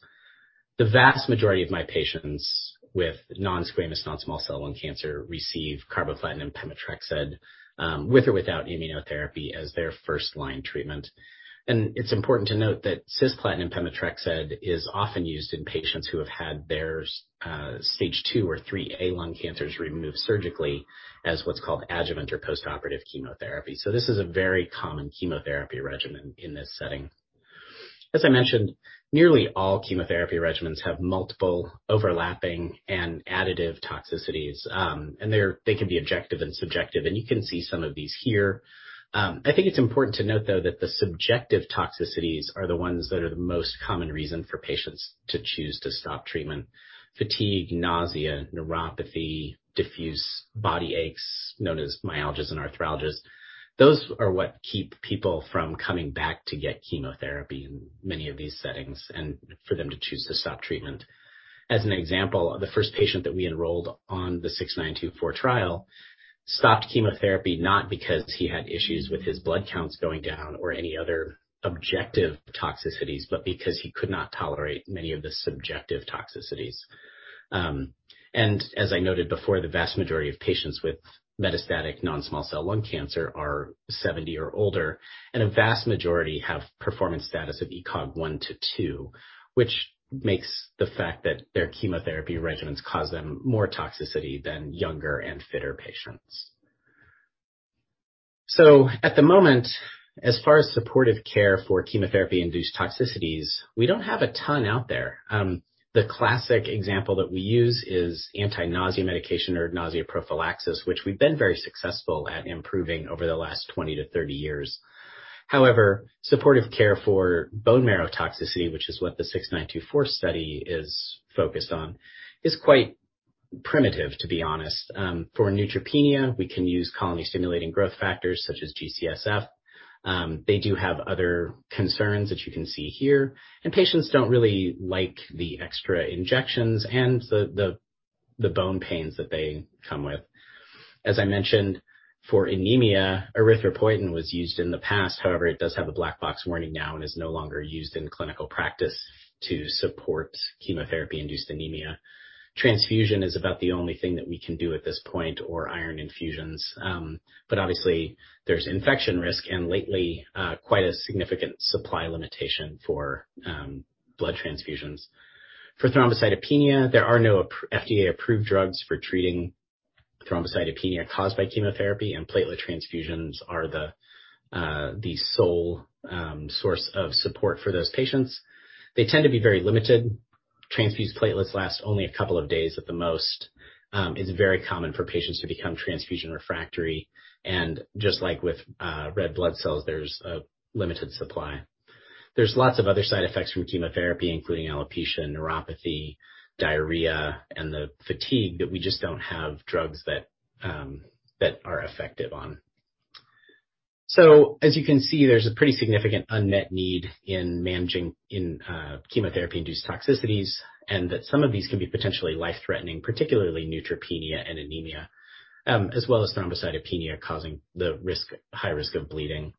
The vast majority of my patients with non-squamous, non-small cell lung cancer receive carboplatin and pemetrexed with or without immunotherapy as their first-line treatment. It's important to note that cisplatin and pemetrexed is often used in patients who have had their stage 2 or 3-A lung cancers removed surgically as what's called adjuvant or post-operative chemotherapy. This is a very common chemotherapy regimen in this setting. As I mentioned, nearly all chemotherapy regimens have multiple overlapping and additive toxicities, and they can be objective and subjective, and you can see some of these here. I think it's important to note, though, that the subjective toxicities are the ones that are the most common reason for patients to choose to stop treatment. Fatigue, nausea, neuropathy, diffuse body aches known as myalgias and arthralgias. Those are what keep people from coming back to get chemotherapy in many of these settings and for them to choose to stop treatment. As an example, the first patient that we enrolled on the 6924 trial stopped chemotherapy not because he had issues with his blood counts going down or any other objective toxicities, but because he could not tolerate many of the subjective toxicities. As I noted before, the vast majority of patients with metastatic non-small cell lung cancer are 70 or older, and a vast majority have performance status of ECOG 1-2, which makes the fact that their chemotherapy regimens cause them more toxicity than younger and fitter patients. At the moment, as far as supportive care for chemotherapy-induced toxicities, we don't have a ton out there. The classic example that we use is anti-nausea medication or nausea prophylaxis, which we've been very successful at improving over the last 20-30 years. However, supportive care for bone marrow toxicity, which is what the 6924 study is focused on, is quite primitive, to be honest. For neutropenia, we can use colony-stimulating growth factors such as GCSF. They do have other concerns that you can see here, and patients don't really like the extra injections and the bone pains that they come with. As I mentioned, for anemia, erythropoietin was used in the past. However, it does have a black box warning now and is no longer used in clinical practice to support chemotherapy-induced anemia. Transfusion is about the only thing that we can do at this point or iron infusions. Obviously, there's infection risk and lately, quite a significant supply limitation for blood transfusions. For thrombocytopenia, there are no FDA-approved drugs for treating thrombocytopenia caused by chemotherapy, and platelet transfusions are the sole source of support for those patients. They tend to be very limited. Transfused platelets last only a couple of days at the most. It's very common for patients to become transfusion refractory. Just like with red blood cells, there's a limited supply. There's lots of other side effects from chemotherapy, including alopecia, neuropathy, diarrhea, and the fatigue that we just don't have drugs that are effective on. As you can see, there's a pretty significant unmet need in managing chemotherapy-induced toxicities and that some of these can be potentially life-threatening, particularly neutropenia and anemia, as well as thrombocytopenia causing the risk, high risk of bleeding.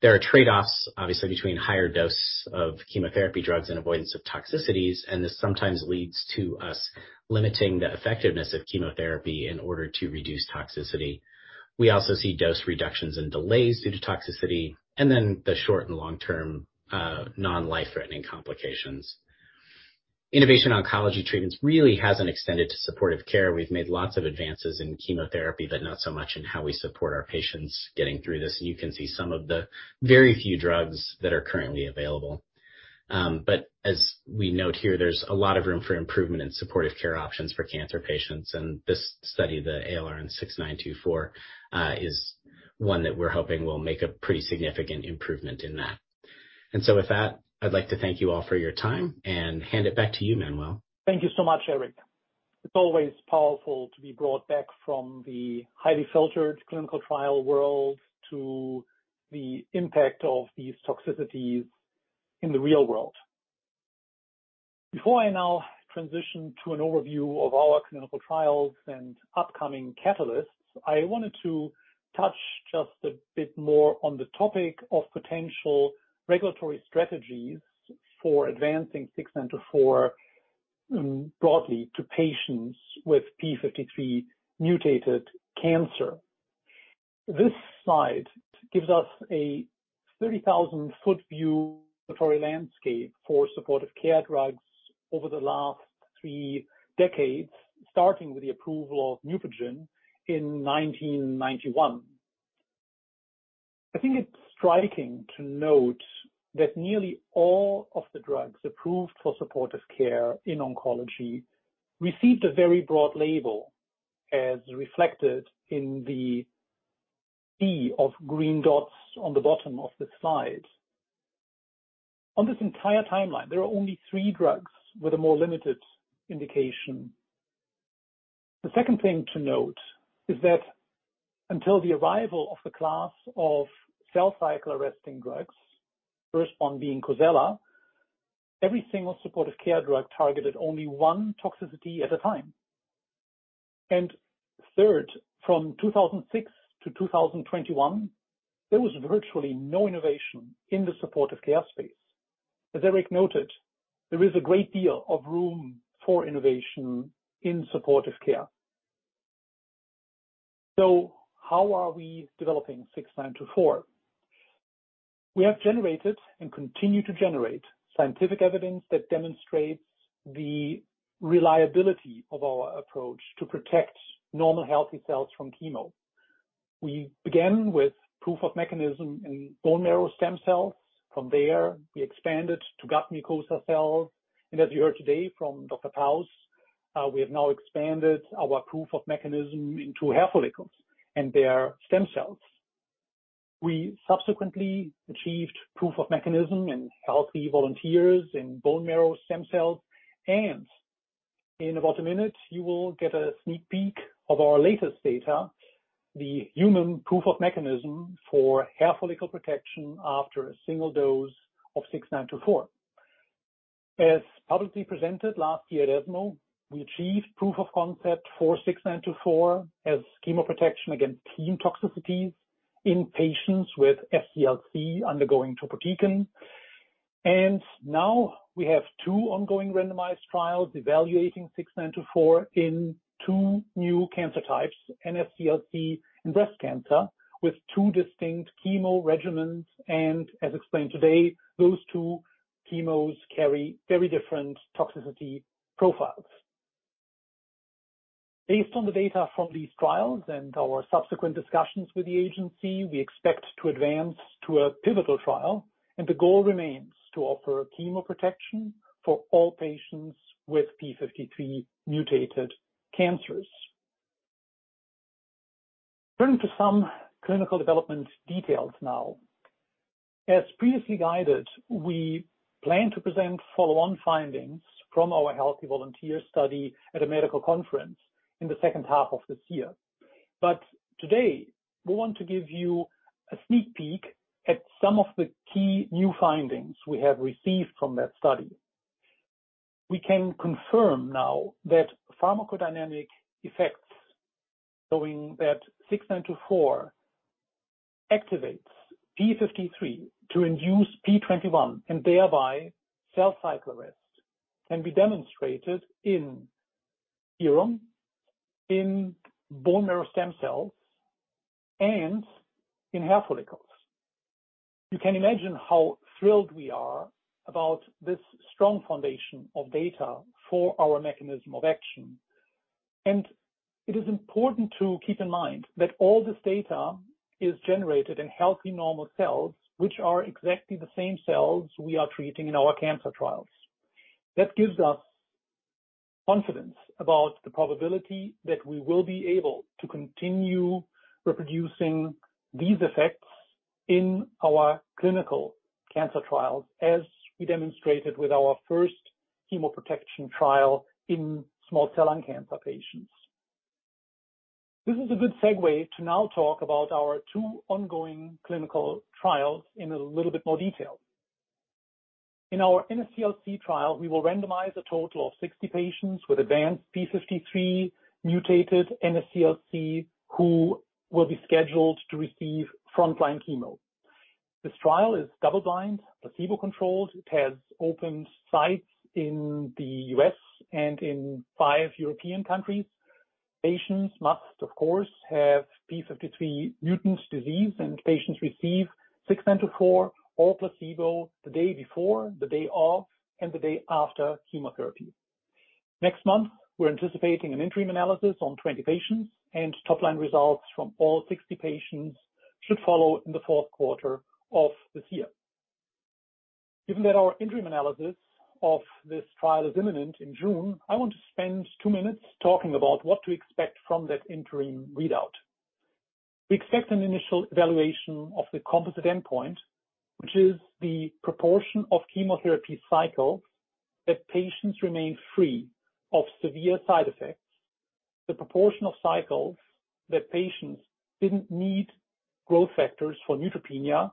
There are trade-offs, obviously, between higher dose of chemotherapy drugs and avoidance of toxicities, and this sometimes leads to us limiting the effectiveness of chemotherapy in order to reduce toxicity. We also see dose reductions and delays due to toxicity, and then the short and long-term non-life-threatening complications. Innovation oncology treatments really hasn't extended to supportive care. We've made lots of advances in chemotherapy, but not so much in how we support our patients getting through this, and you can see some of the very few drugs that are currently available. As we note here, there's a lot of room for improvement in supportive care options for cancer patients. This study, the ALRN-6924, is one that we're hoping will make a pretty significant improvement in that. With that, I'd like to thank you all for your time and hand it back to you, Manuel. Thank you so much, Eric. It's always powerful to be brought back from the highly filtered clinical trial world to the impact of these toxicities in the real world. Before I now transition to an overview of our clinical trials and upcoming catalysts, I wanted to touch just a bit more on the topic of potential regulatory strategies for advancing 6924 broadly to patients with p53-mutated cancer. This slide gives us a 30,000-foot view of the landscape for supportive care drugs over the last three decades, starting with the approval of Neupogen in 1991. I think it's striking to note that nearly all of the drugs approved for supportive care in oncology received a very broad label, as reflected in the sea of green dots on the bottom of the slide. On this entire timeline, there are only three drugs with a more limited indication. The second thing to note is that until the arrival of the class of cell cycle-arresting drugs, first one being Cosela, every single supportive care drug targeted only one toxicity at a time. Third, from 2006 to 2021, there was virtually no innovation in the supportive care space. As Eric noted, there is a great deal of room for innovation in supportive care. How are we developing 6924? We have generated and continue to generate scientific evidence that demonstrates the reliability of our approach to protect normal healthy cells from chemo. We began with proof of mechanism in bone marrow stem cells. From there, we expanded to gut mucosa cells. As you heard today from Dr. Paus, we have now expanded our proof of mechanism into hair follicles and their stem cells. We subsequently achieved proof of mechanism in healthy volunteers in bone marrow stem cells. In about a minute, you will get a sneak peek of our latest data, the human proof of mechanism for hair follicle protection after a single dose of 6924. As publicly presented last year at ESMO, we achieved proof of concept for 6924 as chemo protection against clinical toxicities in patients with SCLC undergoing topotecan. Now we have two ongoing randomized trials evaluating 6924 in two new cancer types, NSCLC and breast cancer, with two distinct chemo regimens. As explained today, those two chemos carry very different toxicity profiles. Based on the data from these trials and our subsequent discussions with the agency, we expect to advance to a pivotal trial, and the goal remains to offer chemo protection for all patients with p53-mutated cancers. Turning to some clinical development details now. As previously guided, we plan to present follow-on findings from our healthy volunteer study at a medical conference in the second half of this year. Today, we want to give you a sneak peek at some of the key new findings we have received from that study. We can confirm now that pharmacodynamic effects showing that 6924 activates p53 to induce P21, and thereby cell cycle arrest, can be demonstrated in serum, in bone marrow stem cells, and in hair follicles. You can imagine how thrilled we are about this strong foundation of data for our mechanism of action. It is important to keep in mind that all this data is generated in healthy normal cells, which are exactly the same cells we are treating in our cancer trials. That gives us confidence about the probability that we will be able to continue reproducing these effects in our clinical cancer trials, as we demonstrated with our first chemo protection trial in small cell lung cancer patients. This is a good segue to now talk about our two ongoing clinical trials in a little bit more detail. In our NSCLC trial, we will randomize a total of 60 patients with advanced p53-mutated NSCLC who will be scheduled to receive frontline chemo. This trial is double-blind, placebo-controlled. It has open sites in the U.S. and in five European countries. Patients must, of course, have p53 mutant disease, and patients receive 6924 or placebo the day before, the day of, and the day after chemotherapy. Next month, we're anticipating an interim analysis on 20 patients, and top-line results from all 60 patients should follow in the fourth quarter of this year. Given that our interim analysis of this trial is imminent in June, I want to spend two minutes talking about what to expect from that interim readout. We expect an initial evaluation of the composite endpoint, which is the proportion of chemotherapy cycles that patients remain free of severe side effects, the proportion of cycles that patients didn't need growth factors for neutropenia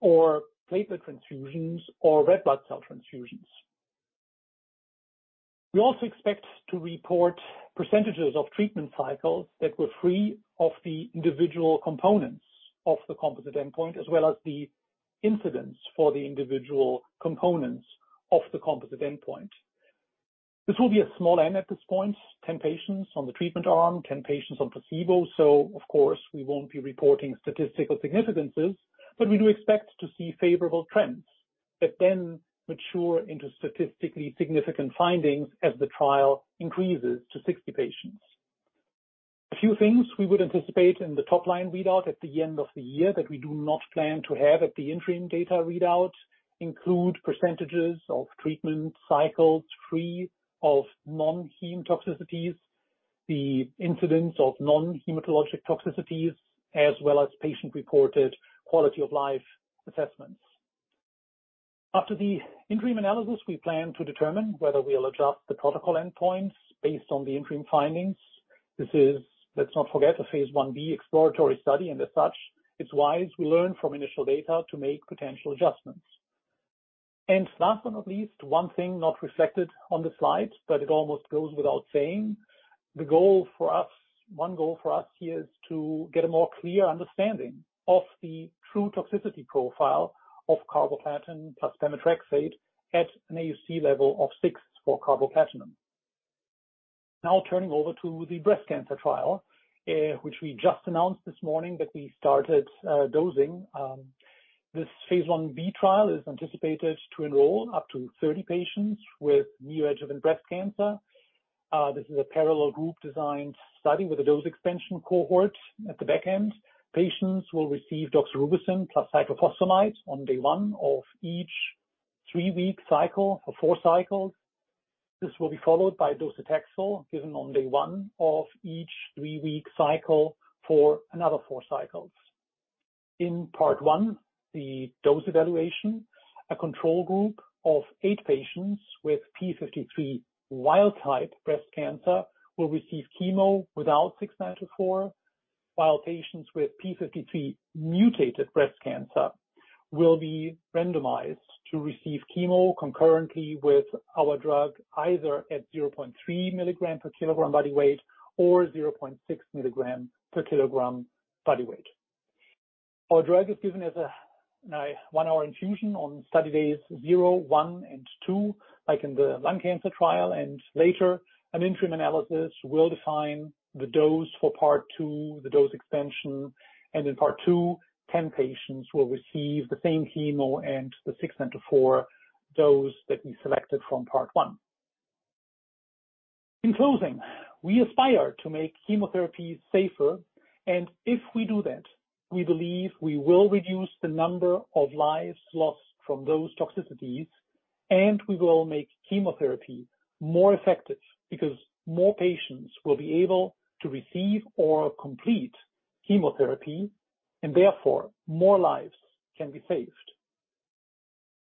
or platelet transfusions or red blood cell transfusions. We also expect to report percentages of treatment cycles that were free of the individual components of the composite endpoint, as well as the incidence for the individual components of the composite endpoint. This will be a small n at this point, 10 patients on the treatment arm, 10 patients on placebo. Of course, we won't be reporting statistical significances, but we do expect to see favorable trends that then mature into statistically significant findings as the trial increases to 60 patients. A few things we would anticipate in the top line readout at the end of the year that we do not plan to have at the interim data readout include percentages of treatment cycles free of non-hematologic toxicities, the incidence of non-hematologic toxicities, as well as patient-reported quality of life assessments. After the interim analysis, we plan to determine whether we'll adjust the protocol endpoints based on the interim findings. This is, let's not forget, a phase I-B exploratory study, and as such, it's wise we learn from initial data to make potential adjustments. Last but not least, one thing not reflected on the slides, but it almost goes without saying. The goal for us, one goal for us here is to get a more clear understanding of the true toxicity profile of carboplatin plus pemetrexed at an AUC level of 6 for carboplatin. Now turning over to the breast cancer trial, which we just announced this morning that we started dosing. This phase I-B trial is anticipated to enroll up to 30 patients with neoadjuvant breast cancer. This is a parallel group designed study with a dose expansion cohort at the back end. Patients will receive doxorubicin plus cyclophosphamide on day one of each three-week cycle for four cycles. This will be followed by docetaxel given on day one of each three-week cycle for another four cycles. In part one, the dose evaluation, a control group of eight patients with p53 wild type breast cancer will receive chemo without 6924, while patients with p53-mutated breast cancer will be randomized to receive chemo concurrently with our drug, either at 0.3 mg per kg body weight or 0.6 mg per kg body weight. Our drug is given as a one-hour infusion on study days 0, 1, and 2, like in the lung cancer trial. Later, an interim analysis will define the dose for part two, the dose extension. In part two, 10 patients will receive the same chemo and the 6924 dose that we selected from part one. In closing, we aspire to make chemotherapy safer, and if we do that, we believe we will reduce the number of lives lost from those toxicities, and we will make chemotherapy more effective because more patients will be able to receive or complete chemotherapy, and therefore more lives can be saved.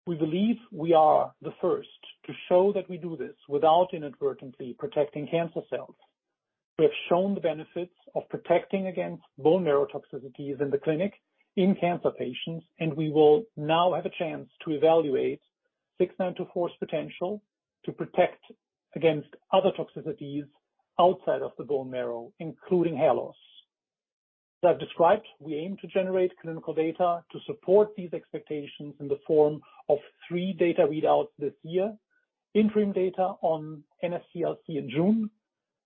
We believe we are the first to show that we do this without inadvertently protecting cancer cells. We have shown the benefits of protecting against bone marrow toxicities in the clinic in cancer patients, and we will now have a chance to evaluate 6924's potential to protect against other toxicities outside of the bone marrow, including hair loss. As I've described, we aim to generate clinical data to support these expectations in the form of three data readouts this year. Interim data on NSCLC in June,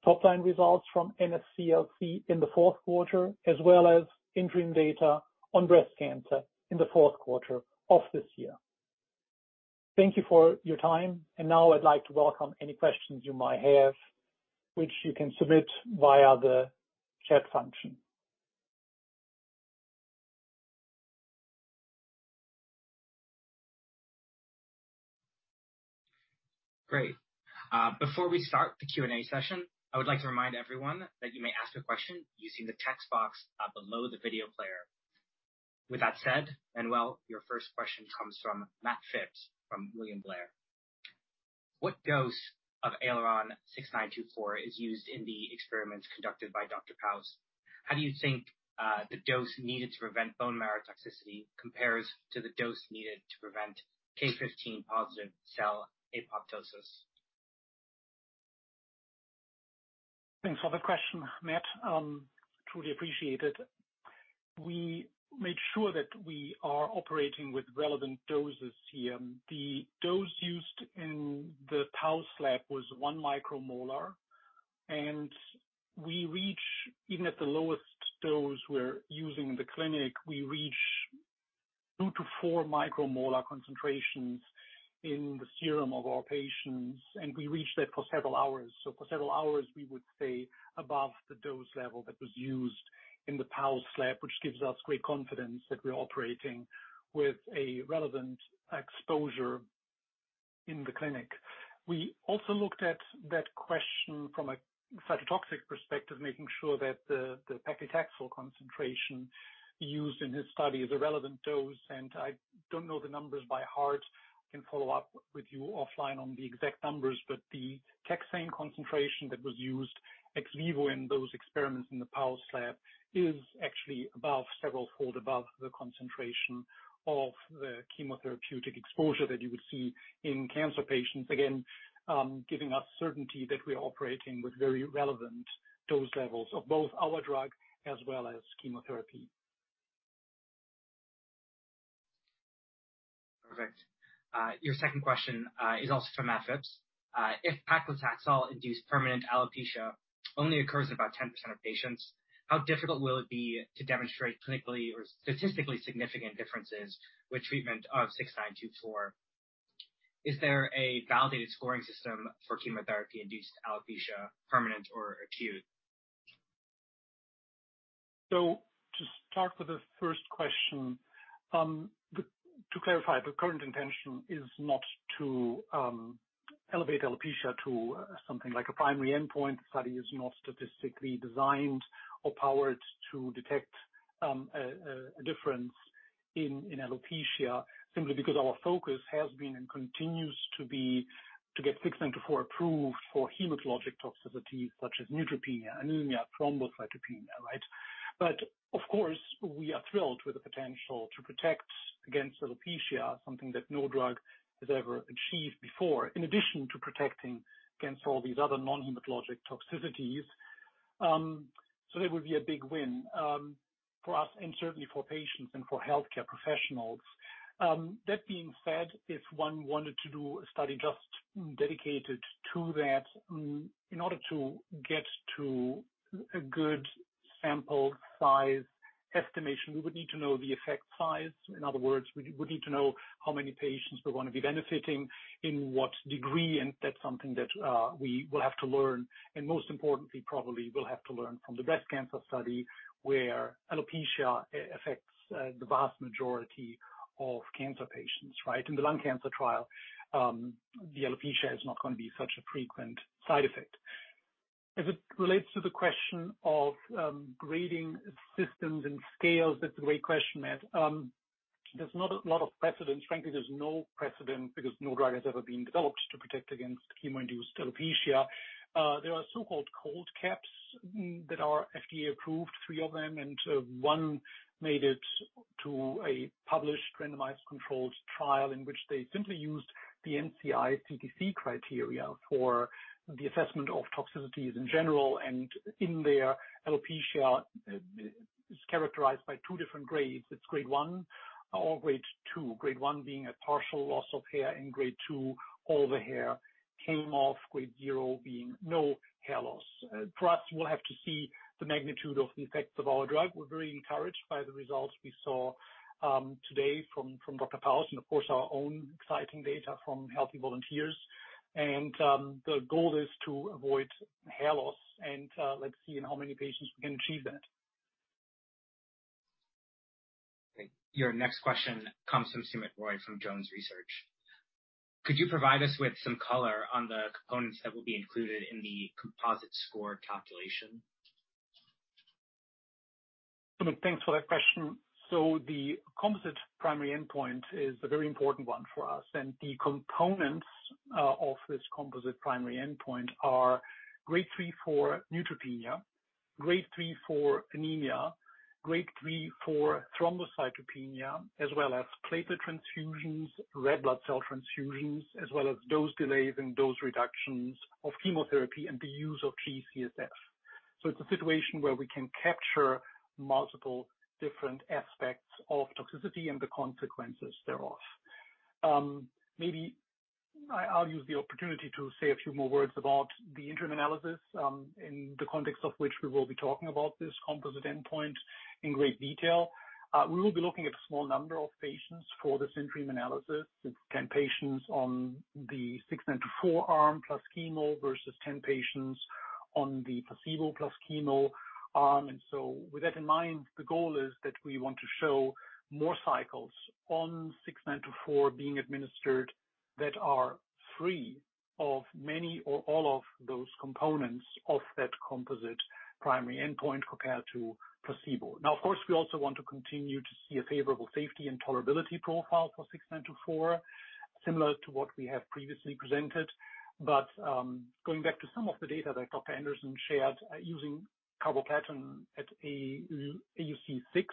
top-line results from NSCLC in the fourth quarter, as well as interim data on breast cancer in the fourth quarter of this year. Thank you for your time. Now I'd like to welcome any questions you might have, which you can submit via the chat function. Great. Before we start the Q&A session, I would like to remind everyone that you may ask a question using the text box below the video player. With that said, Manuel, your first question comes from Matt Phipps from William Blair. What dose of ALRN-6924 is used in the experiments conducted by Dr. Paus? How do you think the dose needed to prevent bone marrow toxicity compares to the dose needed to prevent K15-positive cell apoptosis? Thanks for the question, Matt. Truly appreciate it. We made sure that we are operating with relevant doses here. The dose used in the Paus Lab was 1 micromolar, and we reach, even at the lowest dose we're using in the clinic, we reach 2-4 micromolar concentrations in the serum of our patients, and we reach that for several hours. For several hours, we would stay above the dose level that was used in the Paus Lab, which gives us great confidence that we're operating with a relevant exposure in the clinic. We also looked at that question from a cytotoxic perspective, making sure that the paclitaxel concentration used in his study is a relevant dose. I don't know the numbers by heart. I can follow up with you offline on the exact numbers, but the taxane concentration that was used ex vivo in those experiments in the Paus Lab is actually above, several fold above the concentration of the chemotherapeutic exposure that you would see in cancer patients. Again, giving us certainty that we are operating with very relevant dose levels of both our drug as well as chemotherapy. Perfect. Your second question is also from Matt Phipps. If paclitaxel-induced permanent alopecia only occurs in about 10% of patients, how difficult will it be to demonstrate clinically or statistically significant differences with treatment of 6924? Is there a validated scoring system for chemotherapy-induced alopecia, permanent or acute? To start with the first question, to clarify, the current intention is not to elevate alopecia to something like a primary endpoint. The study is not statistically designed or powered to detect a difference in alopecia simply because our focus has been and continues to be to get 6924 approved for hematologic toxicity such as neutropenia, anemia, thrombocytopenia, right? Of course, we are thrilled with the potential to protect against alopecia, something that no drug has ever achieved before, in addition to protecting against all these other non-hematologic toxicities. That would be a big win for us and certainly for patients and for healthcare professionals. That being said, if one wanted to do a study just dedicated to that, in order to get to a good sample size estimation, we would need to know the effect size. In other words, we would need to know how many patients we're gonna be benefiting in what degree, and that's something that, we will have to learn. Most importantly, probably we'll have to learn from the breast cancer study, where alopecia affects, the vast majority of cancer patients, right? In the lung cancer trial, the alopecia is not gonna be such a frequent side effect. As it relates to the question of, grading systems and scales, that's a great question, Matt. There's not a lot of precedent. Frankly, there's no precedent because no drug has ever been developed to protect against chemo-induced alopecia. There are so-called cold caps that are FDA-approved, three of them, and one made it to a published randomized controlled trial in which they simply used the NCI CTCAE criteria for the assessment of toxicities in general. In there, alopecia is characterized by two different grades. It's grade one or grade two, grade one being a partial loss of hair, and grade two, all the hair came off, grade zero being no hair loss. For us, we'll have to see the magnitude of the effects of our drug. We're very encouraged by the results we saw today from Dr. Paus and of course, our own exciting data from healthy volunteers. The goal is to avoid hair loss and let's see in how many patients we can achieve that. Okay. Your next question comes from Soumit Roy from Jones Research. Could you provide us with some color on the components that will be included in the composite score calculation? Soumit, thanks for that question. The composite primary endpoint is a very important one for us, and the components of this composite primary endpoint are grade 3 for neutropenia, grade 3 for anemia, grade 3 for thrombocytopenia, as well as platelet transfusions, red blood cell transfusions, as well as dose delays and dose reductions of chemotherapy and the use of G-CSF. It's a situation where we can capture multiple different aspects of toxicity and the consequences thereof. Maybe I'll use the opportunity to say a few more words about the interim analysis in the context of which we will be talking about this composite endpoint in great detail. We will be looking at a small number of patients for this interim analysis. It's 10 patients on the 6924 arm plus chemo versus 10 patients on the placebo plus chemo arm. With that in mind, the goal is that we want to show more cycles on 6924 being administered that are free of many or all of those components of that composite primary endpoint compared to placebo. Now, of course, we also want to continue to see a favorable safety and tolerability profile for 6924, similar to what we have previously presented. Going back to some of the data that Dr. Anderson shared, using carboplatin at AUC 6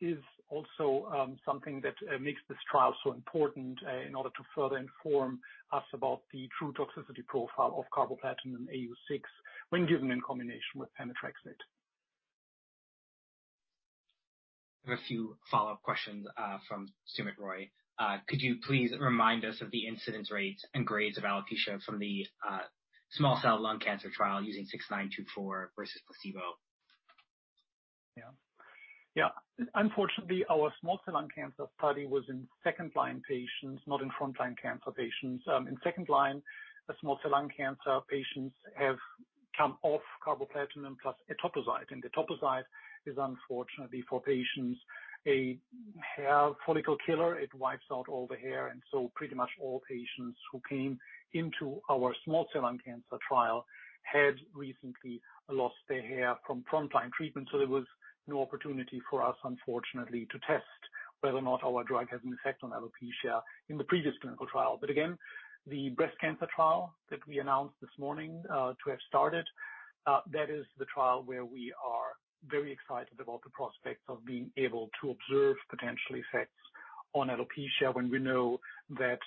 is also something that makes this trial so important in order to further inform us about the true toxicity profile of carboplatin in AUC 6 when given in combination with pemetrexed. I have a few follow-up questions from Soumit Roy. Could you please remind us of the incidence rates and grades of alopecia from the small cell lung cancer trial using 6924 versus placebo? Yeah. Yeah. Unfortunately, our small cell lung cancer study was in second-line patients, not in front line cancer patients. In second line, the small cell lung cancer patients have come off carboplatin plus etoposide. Etoposide is unfortunately for patients, a hair follicle killer. It wipes out all the hair. Pretty much all patients who came into our small cell lung cancer trial had recently lost their hair from front line treatment. There was no opportunity for us, unfortunately, to test whether or not our drug has an effect on alopecia in the previous clinical trial. Again, the breast cancer trial that we announced this morning to have started, that is the trial where we are very excited about the prospects of being able to observe potential effects on alopecia when we know that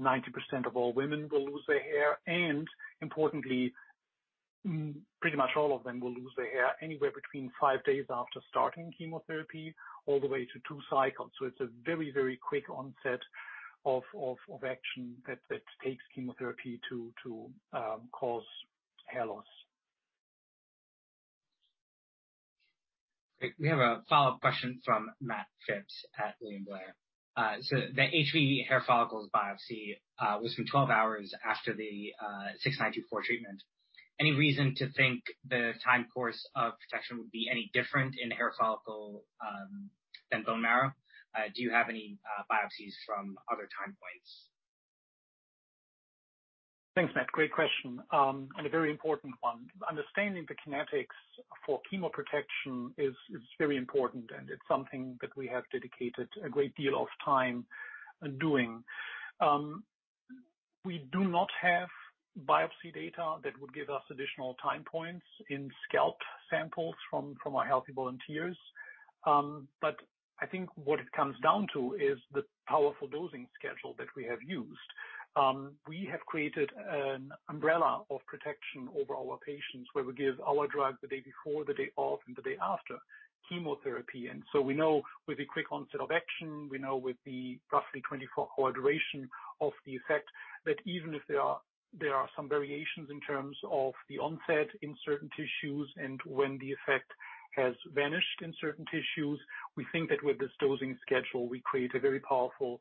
90% of all women will lose their hair, and importantly, pretty much all of them will lose their hair anywhere between five days after starting chemotherapy all the way to two cycles. It's a very, very quick onset of action that takes chemotherapy to cause hair loss. Great. We have a follow-up question from Matt Phipps at William Blair. The HV hair follicles biopsy was from 12 hours after the ALRN-6924 treatment. Any reason to think the time course of protection would be any different in hair follicle than bone marrow? Do you have any biopsies from other time points? Thanks, Matt. Great question, and a very important one. Understanding the kinetics for chemo protection is very important, and it's something that we have dedicated a great deal of time doing. We do not have biopsy data that would give us additional time points in scalp samples from our healthy volunteers. I think what it comes down to is the powerful dosing schedule that we have used. We have created an umbrella of protection over our patients, where we give our drug the day before, the day of, and the day after chemotherapy. We know with the quick onset of action, we know with the roughly 24-hour duration of the effect, that even if there are some variations in terms of the onset in certain tissues and when the effect has vanished in certain tissues, we think that with this dosing schedule, we create a very powerful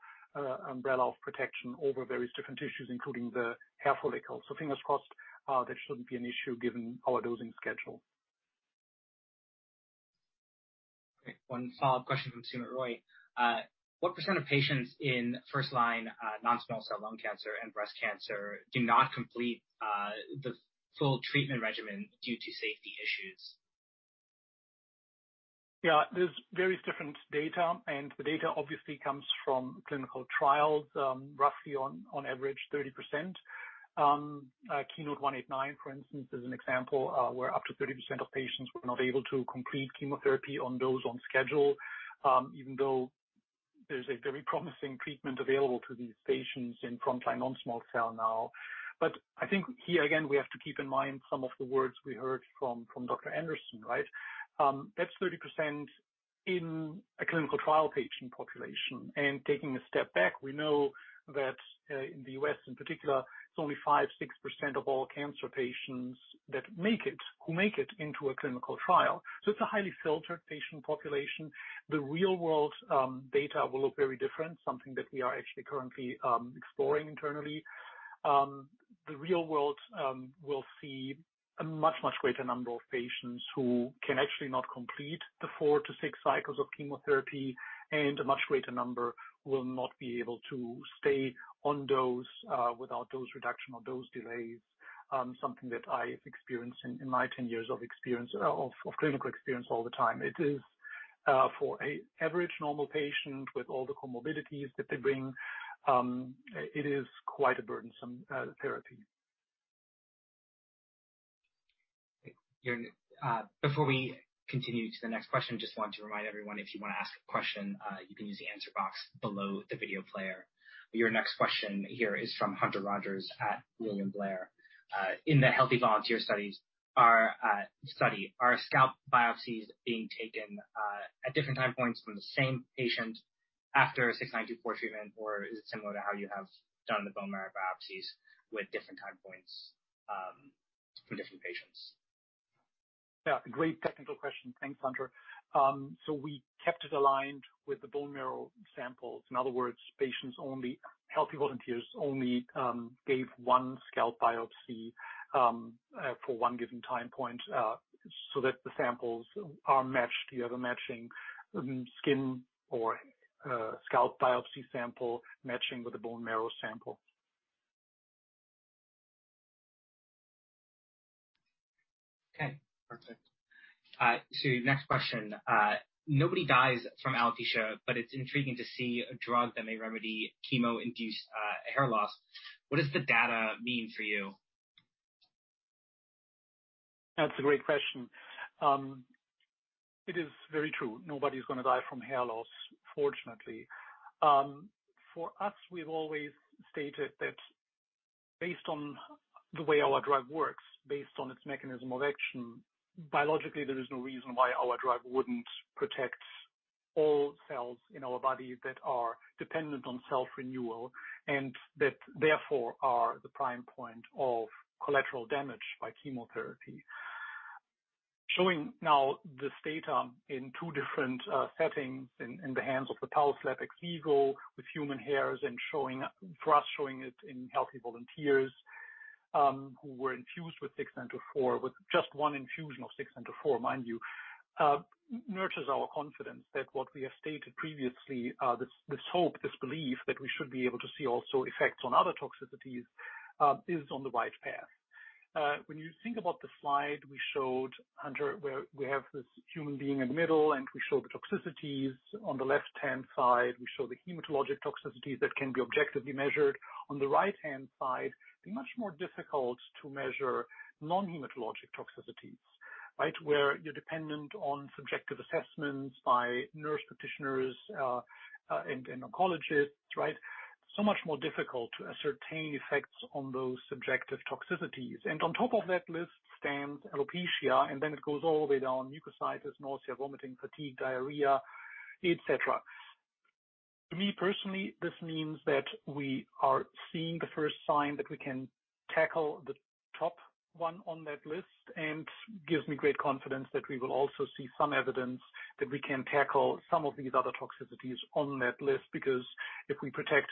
umbrella of protection over various different tissues, including the hair follicle. Fingers crossed, that shouldn't be an issue given our dosing schedule. Great. One follow-up question from Soumit Roy. What percent of patients in first-line non-small cell lung cancer and breast cancer do not complete the full treatment regimen due to safety issues? Yeah, there's various different data, and the data obviously comes from clinical trials, roughly on average 30%. KEYNOTE-189, for instance, is an example, where up to 30% of patients were not able to complete chemotherapy on dose on schedule, even though there's a very promising treatment available to these patients in frontline non-small cell lung. I think here again, we have to keep in mind some of the words we heard from Dr. Anderson, right? That's 30% in a clinical trial patient population. Taking a step back, we know that in the U.S. in particular, it's only 5%-6% of all cancer patients that make it into a clinical trial. It's a highly filtered patient population. The real world data will look very different, something that we are actually currently exploring internally. The real world will see a much, much greater number of patients who can actually not complete the four to six cycles of chemotherapy, and a much greater number will not be able to stay on dose without dose reduction or dose delays. Something that I have experienced in my 10 years of clinical experience all the time. It is for an average normal patient with all the comorbidities that they bring, it is quite a burdensome therapy. Okay. Before we continue to the next question, just want to remind everyone, if you wanna ask a question, you can use the answer box below the video player. Your next question here is from Hunter Rogers at William Blair. In the healthy volunteer studies are study, are scalp biopsies being taken at different time points from the same patient after 6924 treatment or is it similar to how you have done the bone marrow biopsies with different time points for different patients? Yeah, great technical question. Thanks, Hunter. We kept it aligned with the bone marrow samples. In other words, healthy volunteers only gave one scalp biopsy for one given time point so that the samples are matched. You have a matching skin or scalp biopsy sample matching with the bone marrow sample. Okay, perfect. Next question. Nobody dies from alopecia, but it's intriguing to see a drug that may remedy chemo-induced hair loss. What does the data mean for you? That's a great question. It is very true. Nobody's gonna die from hair loss, fortunately. For us, we've always stated that based on the way our drug works, based on its mechanism of action, biologically, there is no reason why our drug wouldn't protect all cells in our body that are dependent on self-renewal and that therefore are the prime point of collateral damage by chemotherapy. Showing now this data in two different settings in the hands of the Paus' lab colleagues with human hairs and showing, for us, showing it in healthy volunteers, who were infused with 6924 with just one infusion of 6924 mind you, nurtures our confidence that what we have stated previously, this hope, this belief that we should be able to see also effects on other toxicities, is on the right path. When you think about the slide we showed, Hunter, where we have this human being in the middle and we show the toxicities on the left-hand side, we show the hematologic toxicities that can be objectively measured. On the right-hand side, the much more difficult to measure non-hematologic toxicities right where you're dependent on subjective assessments by nurse practitioners and oncologists, right? Much more difficult to ascertain effects on those subjective toxicities. On top of that list stands alopecia, and then it goes all the way down mucositis, nausea, vomiting, fatigue, diarrhea, et cetera. To me personally, this means that we are seeing the first sign that we can tackle the top one on that list and gives me great confidence that we will also see some evidence that we can tackle some of these other toxicities on that list. Because if we protect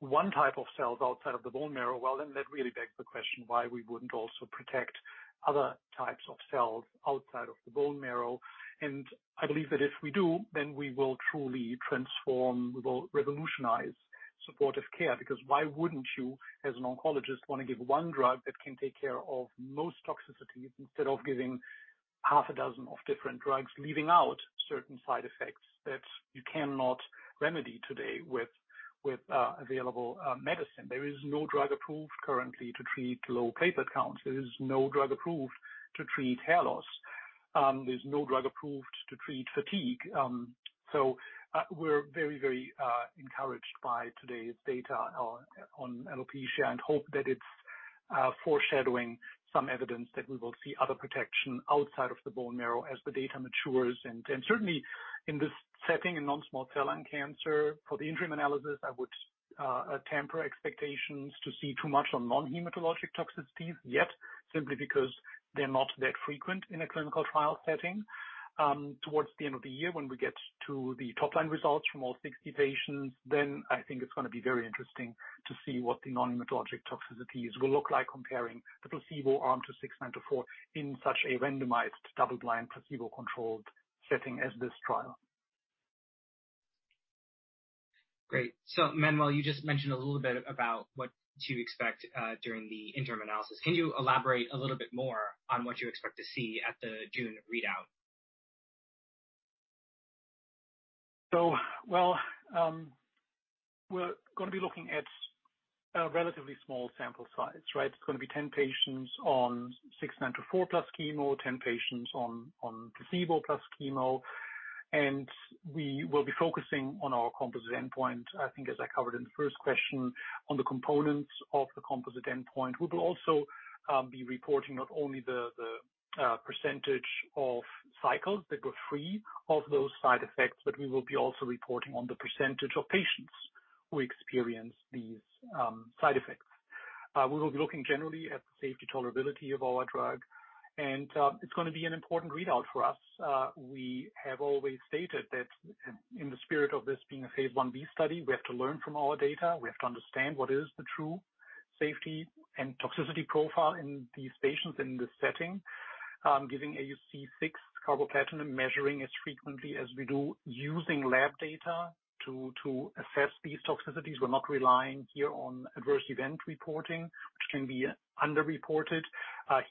one type of cells outside of the bone marrow, well, then that really begs the question why we wouldn't also protect other types of cells outside of the bone marrow. I believe that if we do, then we will truly transform, we will revolutionize supportive care because why wouldn't you, as an oncologist, want to give one drug that can take care of most toxicities instead of giving half a dozen of different drugs, leaving out certain side effects that you cannot remedy today with available medicine. There is no drug approved currently to treat low platelet counts. There is no drug approved to treat hair loss. There's no drug approved to treat fatigue. We're very encouraged by today's data on alopecia and hope that it's foreshadowing some evidence that we will see other protection outside of the bone marrow as the data matures. Certainly in this setting, in non-small cell lung cancer for the interim analysis, I would temper expectations to see too much on non-hematologic toxicities yet simply because they're not that frequent in a clinical trial setting. Towards the end of the year when we get to the top-line results from all 60 patients, I think it's gonna be very interesting to see what the non-hematologic toxicities will look like comparing the placebo arm to 6924 in such a randomized double-blind placebo-controlled setting as this trial. Great. Manuel, you just mentioned a little bit about what to expect during the interim analysis. Can you elaborate a little bit more on what you expect to see at the June readout? Well, we're gonna be looking at a relatively small sample size, right? It's gonna be 10 patients on ALRN-6924 plus chemo, 10 patients on placebo plus chemo. We will be focusing on our composite endpoint, I think, as I covered in the first question on the components of the composite endpoint. We will also be reporting not only the percentage of cycles that were free of those side effects, but we will be also reporting on the percentage of patients who experience these side effects. We will be looking generally at the safety tolerability of our drug, and it's gonna be an important readout for us. We have always stated that in the spirit of this being a phase I-B study, we have to learn from our data. We have to understand what is the true safety and toxicity profile in these patients in this setting. Giving AUC 6 carboplatin and measuring as frequently as we do using lab data to assess these toxicities. We're not relying here on adverse event reporting, which can be under-reported.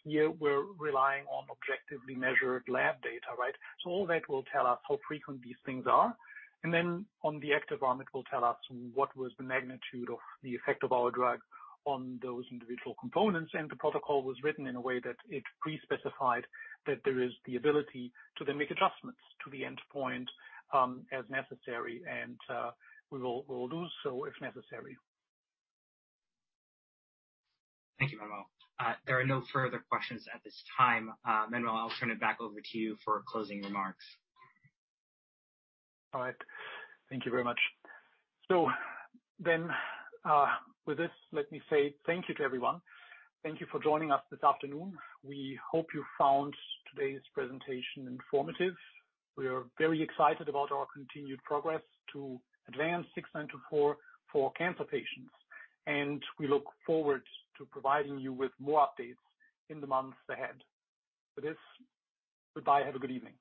Here we're relying on objectively measured lab data, right? All that will tell us how frequent these things are. Then on the active arm, it will tell us what was the magnitude of the effect of our drug on those individual components. The protocol was written in a way that it pre-specified that there is the ability to then make adjustments to the endpoint, as necessary. We will do so if necessary. Thank you, Manuel. There are no further questions at this time. Manuel, I'll turn it back over to you for closing remarks. All right. Thank you very much. With this, let me say thank you to everyone. Thank you for joining us this afternoon. We hope you found today's presentation informative. We are very excited about our continued progress to advance 6924 for cancer patients, and we look forward to providing you with more updates in the months ahead. With this, goodbye. Have a good evening.